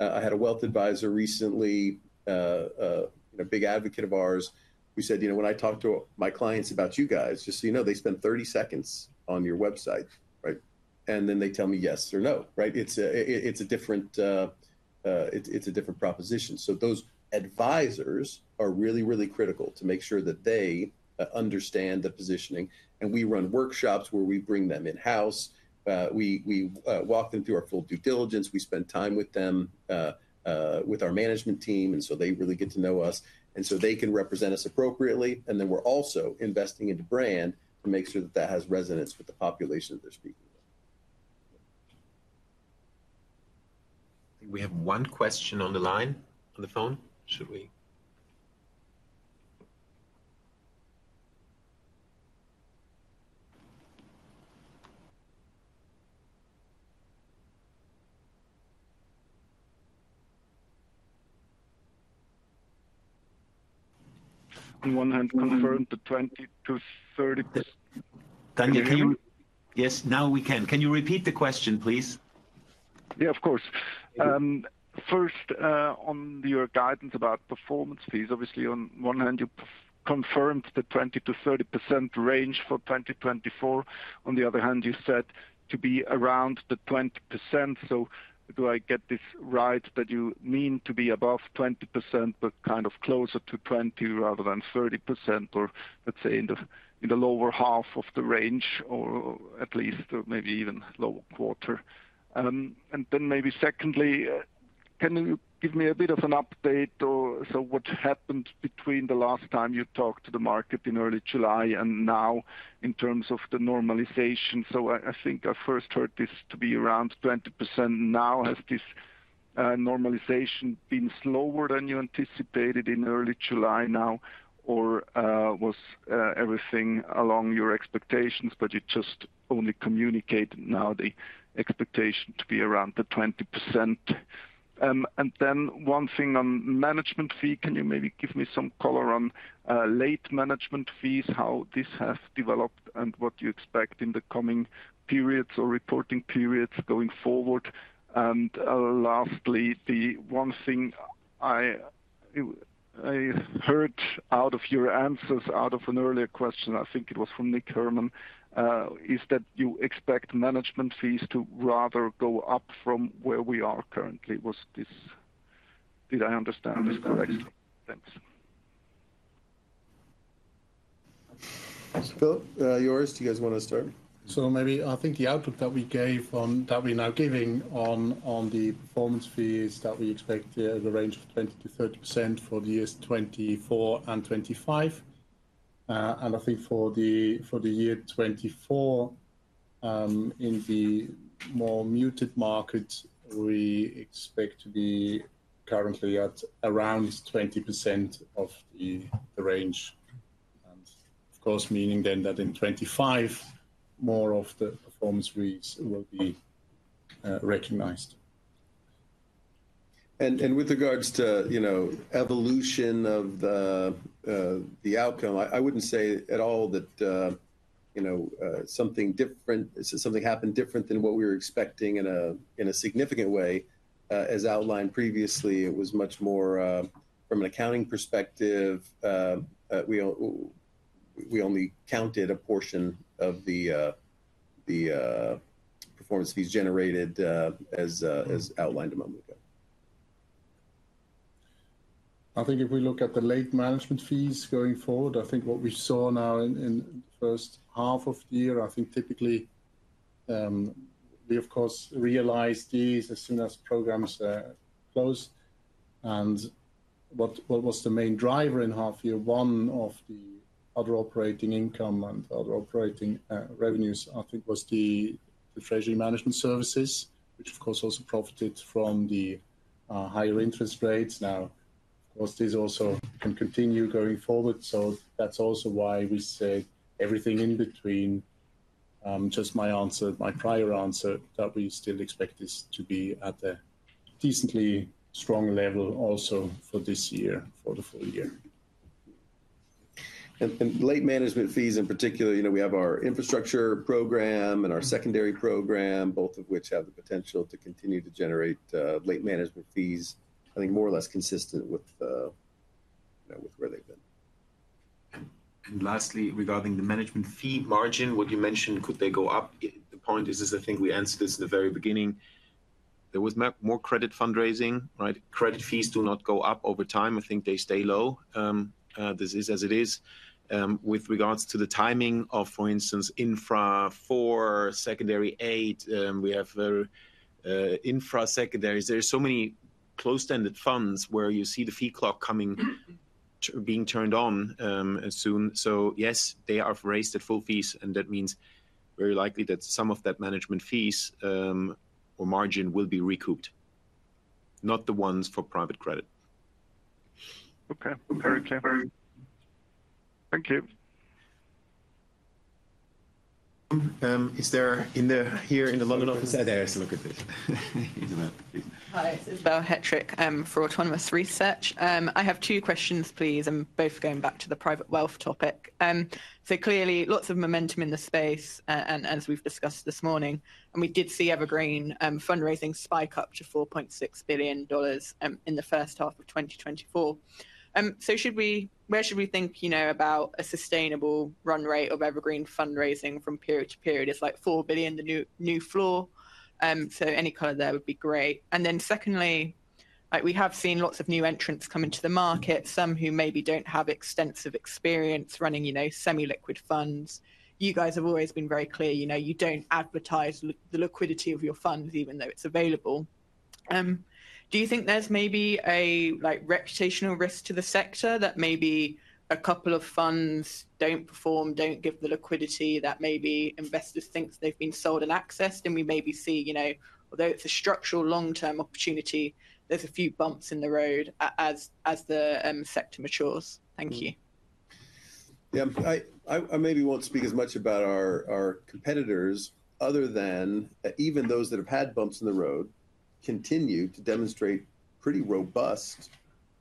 I had a wealth advisor recently, a big advocate of ours, who said, "You know, when I talk to my clients about you guys, just so you know, they spend 30 seconds on your website, right? And then they tell me yes or no," right? It's a different proposition. Those advisors are really, really critical to make sure that they understand the positioning, and we run workshops where we bring them in-house. We walk them through our full due diligence. We spend time with them with our management team, and so they really get to know us, and so they can represent us appropriately, and then we're also investing into brand to make sure that that has resonance with the population that they're speaking with. I think we have one question on the line, on the phone. Should we? On one hand, confirmed the 20%-30% Daniel, can you- Can you hear me? Yes, now we can. Can you repeat the question, please? Yeah, of course. First, on your guidance about performance fees, obviously on one hand, you confirmed the 20%-30% range for 2024. On the other hand, you said to be around the 20%. So do I get this right, that you mean to be above 20%, but kind of closer to 20% rather than 30%, or let's say in the lower half of the range, or at least maybe even lower quarter? And then maybe secondly, can you give me a bit of an update or so what happened between the last time you talked to the market in early July and now in terms of the normalization? So I think I first heard this to be around 20%. Now, has this normalization been slower than you anticipated in early July now, or was everything along your expectations, but you just only communicated now the expectation to be around the 20%? And then one thing on management fee, can you maybe give me some color on late management fees, how this has developed and what you expect in the coming periods or reporting periods going forward? And, lastly, the one thing I heard out of your answers, out of an earlier question, I think it was from Nick Herman, is that you expect management fees to rather go up from where we are currently. Was this, did I understand this correctly? Thanks. Phil, Joris, do you guys want to start? So maybe I think the output that we gave on that we're now giving on the performance fees that we expect the range of 20%-30% for the years 2024 and 2025. And I think for the year 2024, in the more muted markets, we expect to be currently at around 20% of the range. And of course, meaning then that in 2025, more of the performance fees will be recognized. And with regards to, you know, evolution of the outcome, I wouldn't say at all that, you know, something different, something happened different than what we were expecting in a significant way. As outlined previously, it was much more from an accounting perspective, we only counted a portion of the performance fees generated, as outlined a moment ago. I think if we look at the late management fees going forward, I think what we saw now in the first half of the year, I think typically, we of course realized these as soon as programs closed, and what was the main driver in half year one of the other operating income and other operating revenues, I think was the treasury management services, which of course also profited from the higher interest rates. Now, of course, this also can continue going forward, so that's also why we say everything in between. Just my answer, my prior answer, that we still expect this to be at a decently strong level also for this year, for the full year. Late management fees in particular, you know, we have our infrastructure program and our secondary program, both of which have the potential to continue to generate late management fees, I think more or less consistent with where they've been. And lastly, regarding the management fee margin, what you mentioned, could they go up? The point is, is I think we answered this at the very beginning. There was more credit fundraising right? Credit fees do not go up over time. I think they stay low. This is as it is. With regards to the timing of, for instance, Infra Four, Secondary Eight, we have, Infra Secondaries. There are so many closed-ended funds where you see the fee clock coming, being turned on, soon. So yes, they are raised at full fees, and that means very likely that some of that management fees, or margin will be recouped, not the ones for private credit. Okay. Very clear. Thank you. Is there anyone here in the London office? There is, look at this. Hi, Isobel Hettrick, for Autonomous Research. I have two questions, please, and both going back to the private wealth topic. So clearly, lots of momentum in the space, and as we've discussed this morning, and we did see Evergreen fundraising spike up to $4.6 billion in the first half of 2024. So should we-- where should we think, you know, about a sustainable run rate of Evergreen fundraising from period to period? It's like $4 billion, the new, new floor. So any color there would be great. And then secondly, like, we have seen lots of new entrants come into the market, some who maybe don't have extensive experience running, you know, semi-liquid funds. You guys have always been very clear, you know, you don't advertise the liquidity of your funds, even though it's available. Do you think there's maybe a, like, reputational risk to the sector that maybe a couple of funds don't perform, don't give the liquidity, that maybe investors think they've been sold and accessed, and we maybe see, you know, although it's a structural long-term opportunity, there's a few bumps in the road as the sector matures? Thank you. Yeah, I maybe won't speak as much about our competitors, other than even those that have had bumps in the road continue to demonstrate pretty robust,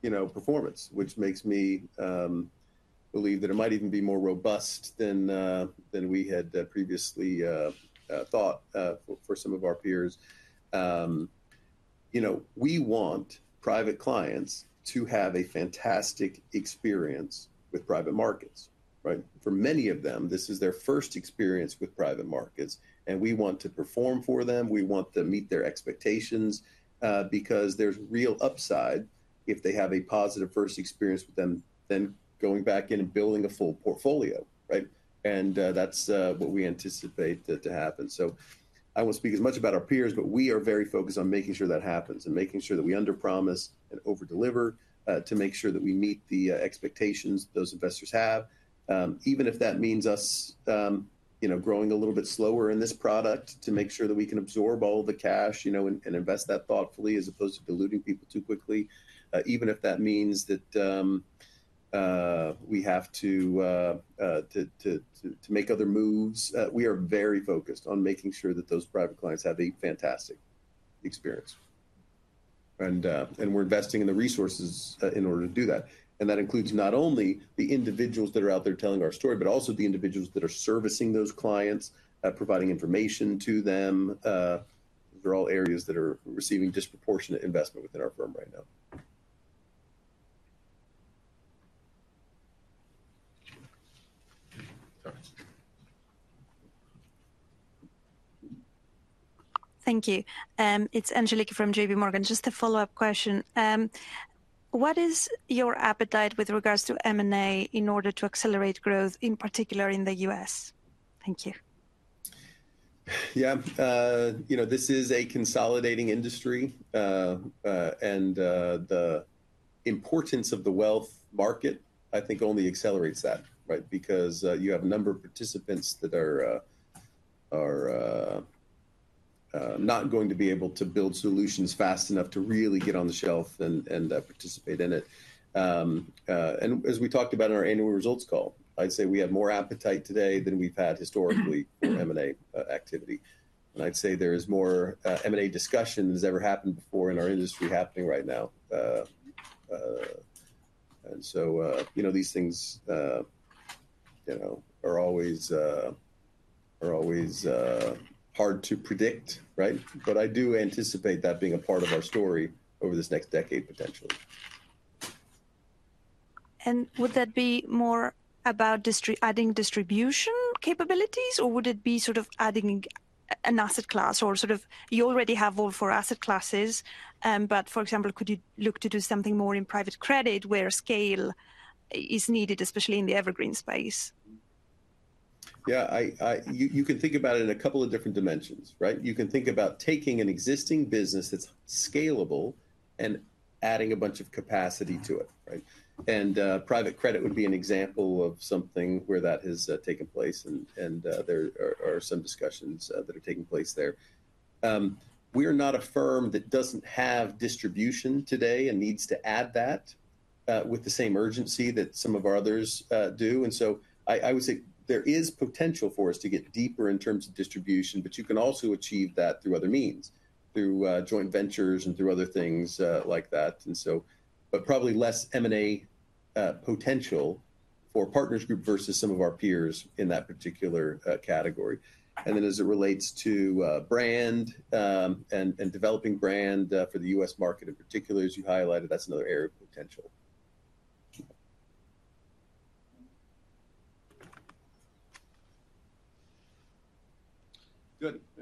you know, performance, which makes me believe that it might even be more robust than we had previously thought for some of our peers. You know, we want private clients to have a fantastic experience with private markets, right? For many of them, this is their first experience with private markets, and we want to perform for them. We want to meet their expectations, because there's real upside if they have a positive first experience with them, then going back in and building a full portfolio, right? And that's what we anticipate that to happen. So I won't speak as much about our peers, but we are very focused on making sure that happens, and making sure that we underpromise and overdeliver to make sure that we meet the expectations those investors have. Even if that means us, you know, growing a little bit slower in this product to make sure that we can absorb all the cash, you know, and invest that thoughtfully, as opposed to diluting people too quickly. Even if that means that we have to make other moves, we are very focused on making sure that those private clients have a fantastic experience and we're investing in the resources in order to do that. That includes not only the individuals that are out there telling our story, but also the individuals that are servicing those clients, providing information to them. They're all areas that are receiving disproportionate investment within our firm right now. Go ahead. Thank you. It's Angeliki from J.P. Morgan. Just a follow-up question. What is your appetite with regards to M&A in order to accelerate growth, in particular in the U.S.? Thank you. Yeah. You know, this is a consolidating industry. And the importance of the wealth market, I think, only accelerates that, right? Because you have a number of participants that are not going to be able to build solutions fast enough to really get on the shelf and participate in it. And as we talked about in our annual results call, I'd say we have more appetite today than we've had historically for M&A activity. And I'd say there is more M&A discussion than has ever happened before in our industry happening right now. And so you know, these things you know are always hard to predict, right? But I do anticipate that being a part of our story over this next decade, potentially. Would that be more about adding distribution capabilities, or would it be sort of adding an asset class or sort of you already have all four asset classes, but for example, could you look to do something more in private credit where scale is needed, especially in the evergreen space? Yeah, you can think about it in a couple of different dimensions, right? You can think about taking an existing business that's scalable and adding a bunch of capacity to it, right? And private credit would be an example of something where that has taken place, and there are some discussions that are taking place there. We are not a firm that doesn't have distribution today and needs to add that with the same urgency that some of our others do. And so I would say there is potential for us to get deeper in terms of distribution, but you can also achieve that through other means, through joint ventures and through other things like that, and so... But probably less M&A potential for Partners Group versus some of our peers in that particular category. And then as it relates to brand and developing brand for the U.S. market in particular, as you highlighted, that's another area of potential.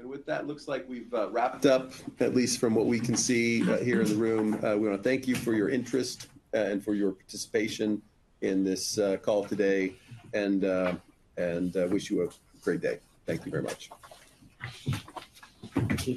Good. And with that, looks like we've wrapped up, at least from what we can see here in the room. We want to thank you for your interest and for your participation in this call today, and wish you a great day. Thank you very much.